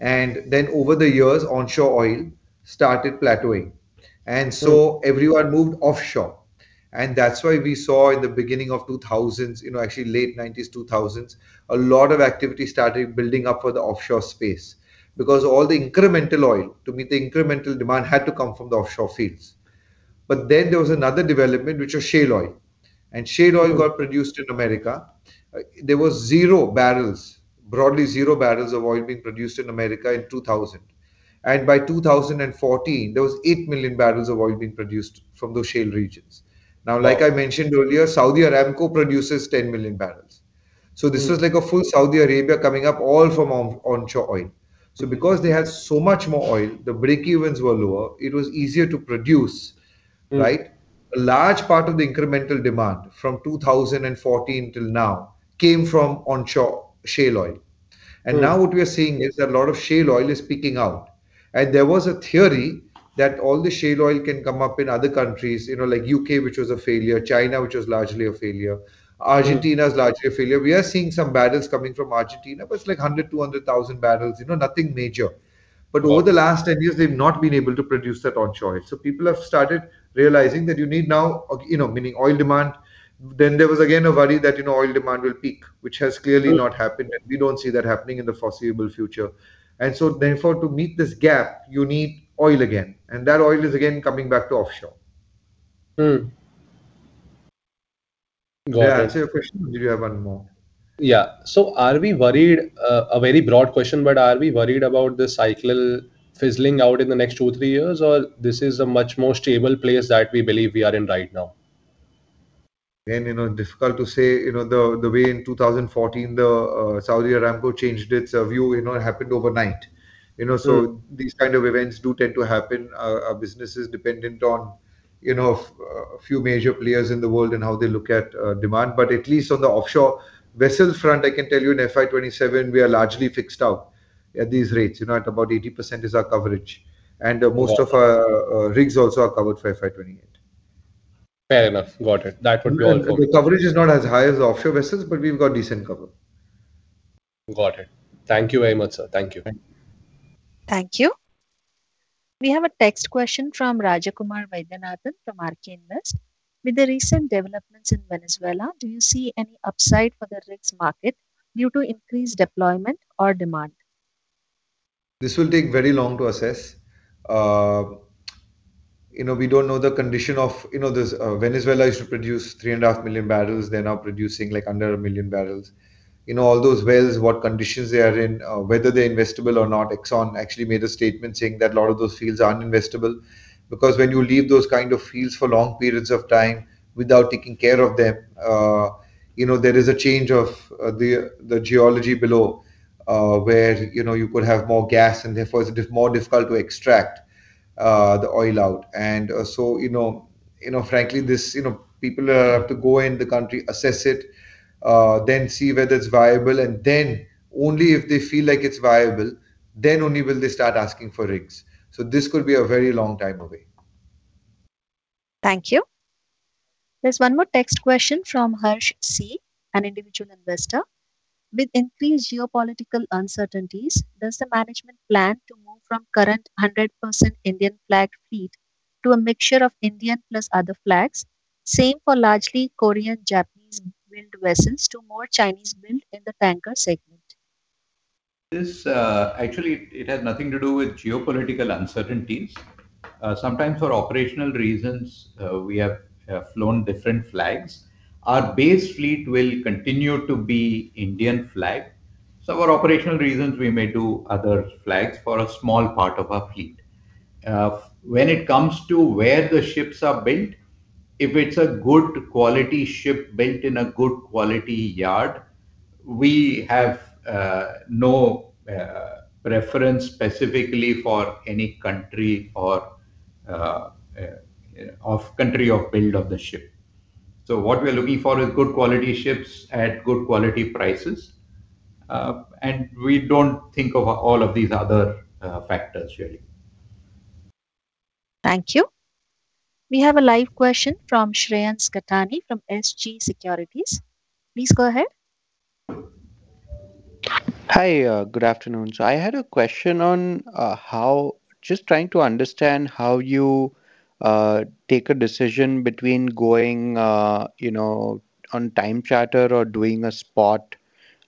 and then over the years, onshore oil started plateauing. Mm. So everyone moved offshore, and that's why we saw in the beginning of the 2000s, you know, actually late 1990s, 2000s, a lot of activity started building up for the offshore space. Because all the incremental oil, to meet the incremental demand, had to come from the offshore fields. Then there was another development, which was shale oil, and shale oil. Mm... got produced in America. There was zero barrels, broadly zero barrels of oil being produced in America in 2000. And by 2014, there was 8 million barrels of oil being produced from those shale regions. Wow! Now, like I mentioned earlier, Saudi Aramco produces 10 million barrels. Mm. This was like a full Saudi Arabia coming up, all from onshore oil. Because they had so much more oil, the break-evens were lower, it was easier to produce- Mm ... right? A large part of the incremental demand from 2014 till now came from onshore shale oil. Mm. Now what we are seeing is that a lot of shale oil is peaking out. There was a theory that all the shale oil can come up in other countries, you know, like U.K., which was a failure, China, which was largely a failure- Mm... Argentina is largely a failure. We are seeing some barrels coming from Argentina, but it's like 100,000-200,000 barrels, you know, nothing major. Wow. Over the last 10 years, they've not been able to produce that onshore oil. People have started realizing that you need now, you know, meaning oil demand. There was again, a worry that, you know, oil demand will peak, which has clearly not happened- Mm... and we don't see that happening in the foreseeable future. So therefore, to meet this gap, you need oil again, and that oil is again coming back to offshore. Mm. Got it. Yeah, is there a question or do you have one more? Yeah. So are we worried... A very broad question, but are we worried about the cycle fizzling out in the next two, three years, or this is a much more stable place that we believe we are in right now? Again, you know, difficult to say. You know, the way in 2014, Saudi Aramco changed its view, you know, it happened overnight. Mm. You know, so these kind of events do tend to happen. Our business is dependent on, you know, a few major players in the world and how they look at demand. But at least on the offshore vessel front, I can tell you in FY 2027, we are largely fixed out... at these rates, you know, at about 80% is our coverage. And most of our rigs also are covered for FY 2028. Fair enough. Got it. That would be all for me. The coverage is not as high as the offshore vessels, but we've got decent cover. Got it. Thank you very much, sir. Thank you. Thank you. We have a text question from Rajakumar Vaidyanathan from RK Invest: With the recent developments in Venezuela, do you see any upside for the rigs market due to increased deployment or demand? This will take very long to assess. You know, we don't know the condition of, you know, this... Venezuela used to produce 3.5 million barrels. They're now producing, like, under 1 million barrels. You know, all those wells, what conditions they are in, whether they're investable or not. Exxon actually made a statement saying that a lot of those fields are uninvestable. Because when you leave those kind of fields for long periods of time without taking care of them, you know, there is a change of, the geology below, where, you know, you could have more gas and therefore it is more difficult to extract, the oil out. So, you know, you know, frankly, this, you know, people are have to go in the country, assess it, then see whether it's viable, and then only if they feel like it's viable, then only will they start asking for rigs. So this could be a very long time away. Thank you. There's one more text question from Harsh C, an individual investor: With increased geopolitical uncertainties, does the management plan to move from current 100% Indian-flagged fleet to a mixture of Indian plus other flags? Same for largely Korean, Japanese-built vessels to more Chinese-built in the tanker segment. Actually, it has nothing to do with geopolitical uncertainties. Sometimes for operational reasons, we have flown different flags. Our base fleet will continue to be Indian flag. So for operational reasons, we may do other flags for a small part of our fleet. When it comes to where the ships are built, if it's a good quality ship built in a good quality yard, we have no preference specifically for any country or of country of build of the ship. So what we are looking for is good quality ships at good quality prices, and we don't think of all of these other factors really. Thank you. We have a live question from Shreyans Katani from SG Securities. Please go ahead. Hi, good afternoon. So I had a question on just trying to understand how you take a decision between going, you know, on time charter or doing a spot,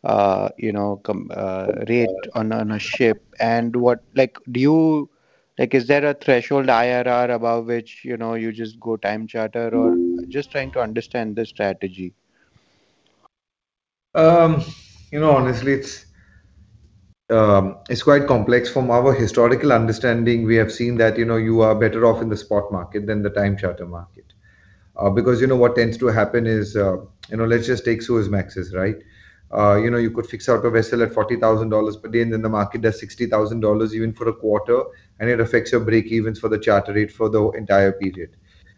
you know, commercial rate on a ship, and like, do you like, is there a threshold IRR above which, you know, you just go time charter or? Just trying to understand the strategy. You know, honestly, it's quite complex. From our historical understanding, we have seen that, you know, you are better off in the spot market than the time charter market. Because you know, what tends to happen is, you know, let's just take Suezmaxes, right? You know, you could fix out a vessel at $40,000 per day, and then the market does $60,000 even for a quarter, and it affects your breakevens for the charter rate for the entire period.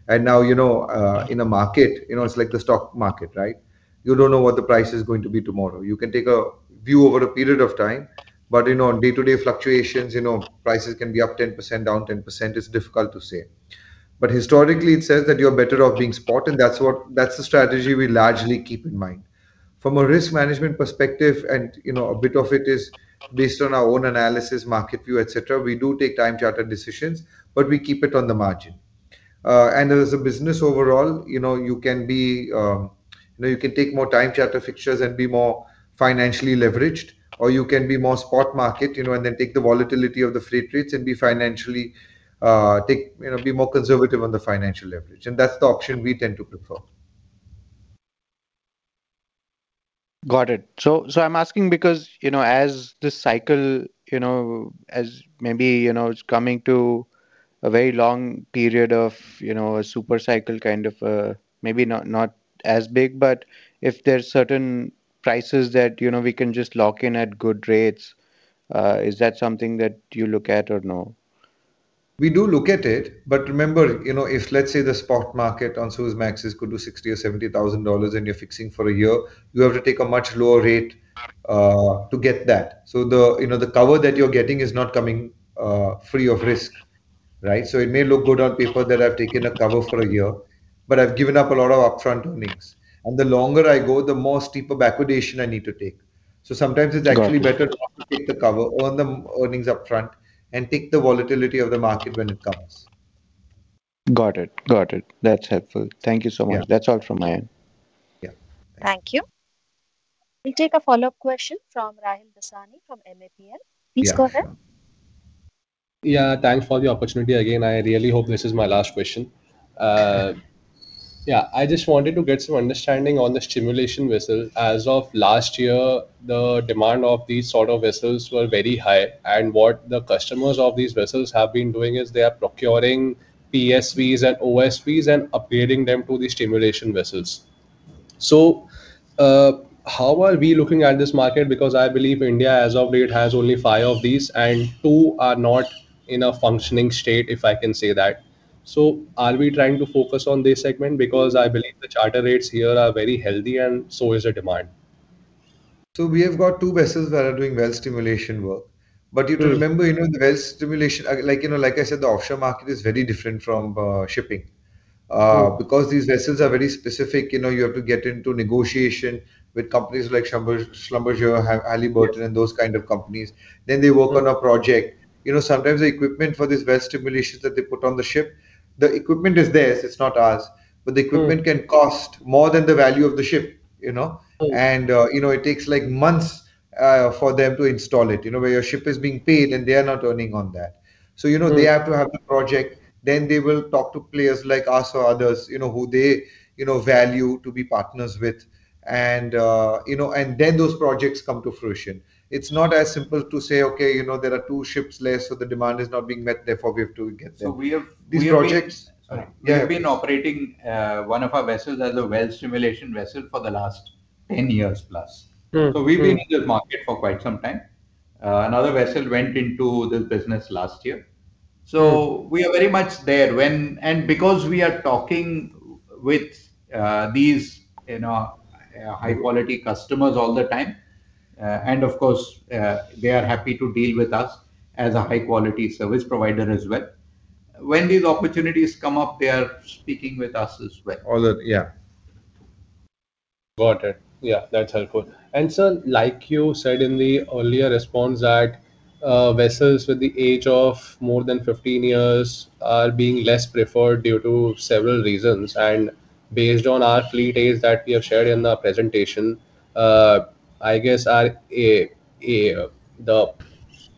And now, you know, in a market, you know, it's like the stock market, right? You don't know what the price is going to be tomorrow. You can take a view over a period of time, but, you know, on day-to-day fluctuations, you know, prices can be up 10%, down 10%. It's difficult to say. But historically, it says that you're better off being spot, and that's the strategy we largely keep in mind. From a risk management perspective, and, you know, a bit of it is based on our own analysis, market view, et cetera, we do take time charter decisions, but we keep it on the margin. And as a business overall, you know, you can be, you know, you can take more time charter fixtures and be more financially leveraged, or you can be more spot market, you know, and then take the volatility of the freight rates and be financially, you know, be more conservative on the financial leverage, and that's the option we tend to prefer. Got it. So, so I'm asking because, you know, as this cycle, you know, as maybe, you know, it's coming to a very long period of, you know, a super cycle, kind of, maybe not, not as big, but if there's certain prices that, you know, we can just lock in at good rates, is that something that you look at or no? We do look at it, but remember, you know, if, let's say, the spot market on Suezmaxes could do $60,000 or $70,000 and you're fixing for a year, you have to take a much lower rate to get that. So, you know, the cover that you're getting is not coming free of risk, right? So it may look good on paper that I've taken a cover for a year, but I've given up a lot of upfront earnings. And the longer I go, the more steeper backwardation I need to take. Got it. Sometimes it's actually better not to take the cover, earn the earnings upfront, and take the volatility of the market when it comes. Got it. Got it. That's helpful. Thank you so much. Yeah. That's all from my end. Yeah. Thank you. We'll take a follow-up question from Rahil Dasani, from MAPL. Yeah. Please go ahead. Yeah, thanks for the opportunity again. I really hope this is my last question. Yeah, I just wanted to get some understanding on the stimulation vessel. As of last year, the demand of these sort of vessels were very high, and what the customers of these vessels have been doing is they are procuring PSVs and OSVs and upgrading them to the stimulation vessels. So, how are we looking at this market? Because I believe India, as of date, has only five of these, and two are not in a functioning state, if I can say that.... So are we trying to focus on this segment? Because I believe the charter rates here are very healthy, and so is the demand. We have got two vessels that are doing well stimulation work. Mm. But you remember, you know, the well stimulation, like, you know, like I said, the offshore market is very different from shipping. Mm. Because these vessels are very specific, you know, you have to get into negotiation with companies like Schlumberger, Halliburton- Yeah And those kind of companies. Then they work on a project. You know, sometimes the equipment for this well stimulation that they put on the ship, the equipment is theirs, it's not ours. Mm. But the equipment can cost more than the value of the ship, you know? Mm. You know, it takes like months for them to install it, you know, where your ship is being paid and they are not earning on that. Mm. So, you know, they have to have the project, then they will talk to players like us or others, you know, who they, you know, value to be partners with. And, you know, and then those projects come to fruition. It's not as simple to say, okay, you know, there are two ships less, so the demand is not being met, therefore we have to get them. So we have- These projects- Sorry. Yeah. We have been operating one of our vessels as a well stimulation vessel for the last 10 years plus. So we've been in this market for quite some time. Another vessel went into this business last year. So we are very much there when... And because we are talking with these, you know, high-quality customers all the time, and of course, they are happy to deal with us as a high-quality service provider as well. When these opportunities come up, they are speaking with us as well. All the... Yeah. Got it. Yeah, that's helpful. And sir, like you said in the earlier response, that vessels with the age of more than 15 years are being less preferred due to several reasons. And based on our fleet age that we have shared in our presentation, I guess the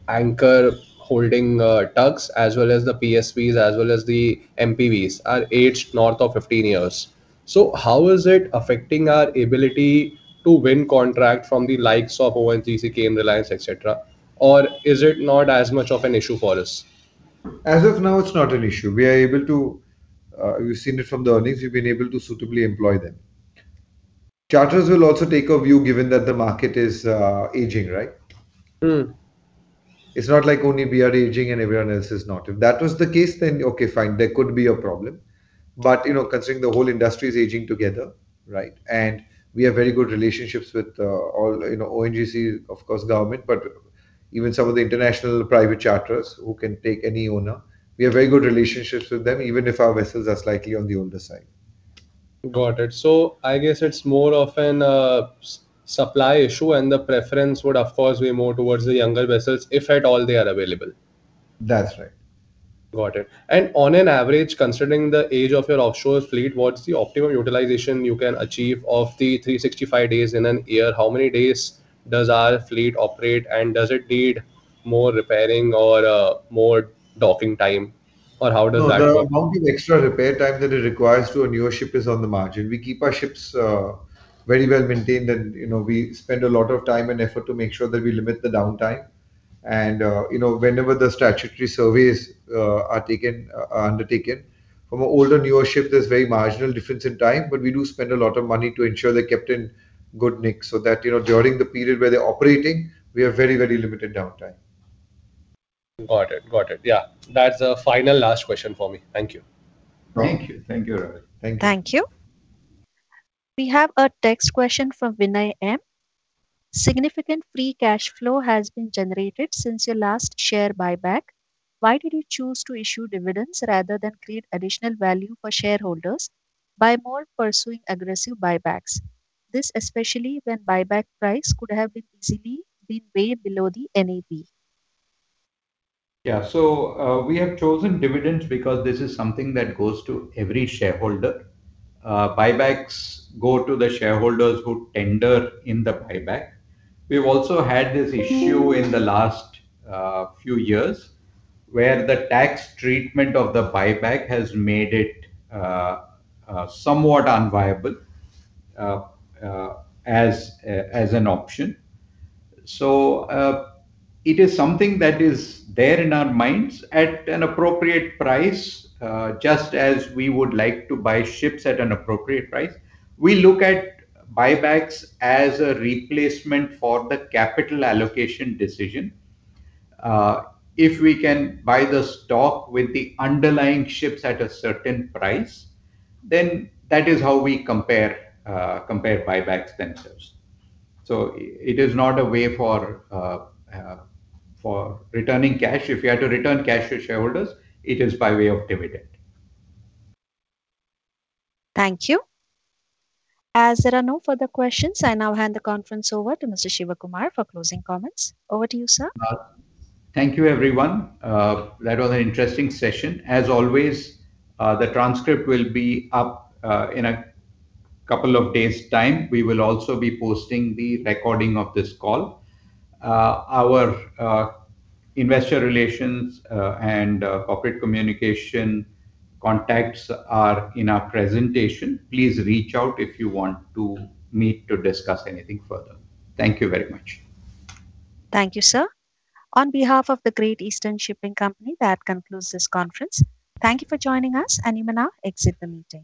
anchor handling tugs as well as the PSVs, as well as the MPVs, are aged north of 15 years. So how is it affecting our ability to win contract from the likes of ONGC, Reliance, et cetera? Or is it not as much of an issue for us? As of now, it's not an issue. We are able to, you've seen it from the earnings, we've been able to suitably employ them. Charters will also take a view, given that the market is aging, right? Mm. It's not like only we are aging and everyone else is not. If that was the case, then okay, fine, there could be a problem. But, you know, considering the whole industry is aging together, right, and we have very good relationships with, all, you know, ONGC, of course, government, but even some of the international private charters who can take any owner, we have very good relationships with them, even if our vessels are slightly on the older side. Got it. So I guess it's more of a supply issue, and the preference would of course be more towards the younger vessels, if at all they are available. That's right. Got it. And on an average, considering the age of your offshore fleet, what's the optimum utilization you can achieve of the 365 days in a year? How many days does our fleet operate, and does it need more repairing or more docking time, or how does that work? No, the amount of extra repair time that it requires to a newer ship is on the margin. We keep our ships very well maintained, and, you know, we spend a lot of time and effort to make sure that we limit the downtime. And, you know, whenever the statutory surveys are taken, are undertaken, from an older, newer ship, there's very marginal difference in time, but we do spend a lot of money to ensure they're kept in good nick, so that, you know, during the period where they're operating, we have very, very limited downtime. Got it. Got it, yeah. That's the final last question for me. Thank you. Thank you. Thank you, Rahil. Thank you. Thank you. We have a text question from Vinay M: "Significant free cash flow has been generated since your last share buyback. Why did you choose to issue dividends rather than create additional value for shareholders by more pursuing aggressive buybacks? This especially when buyback price could have been easily been way below the NAB. Yeah, so, we have chosen dividends because this is something that goes to every shareholder. Buybacks go to the shareholders who tender in the buyback. We've also had this issue in the last few years, where the tax treatment of the buyback has made it somewhat unviable as an option. So, it is something that is there in our minds at an appropriate price, just as we would like to buy ships at an appropriate price. We look at buybacks as a replacement for the capital allocation decision. If we can buy the stock with the underlying ships at a certain price, then that is how we compare buybacks themselves. So it is not a way for returning cash. If we are to return cash to shareholders, it is by way of dividend. Thank you. As there are no further questions, I now hand the conference over to Mr. Shivakumar for closing comments. Over to you, sir. Thank you, everyone. That was an interesting session. As always, the transcript will be up in a couple of days' time. We will also be posting the recording of this call. Our investor relations and corporate communication contacts are in our presentation. Please reach out if you want to meet to discuss anything further. Thank you very much. Thank you, sir. On behalf of the Great Eastern Shipping Company, that concludes this conference. Thank you for joining us, and you may now exit the meeting.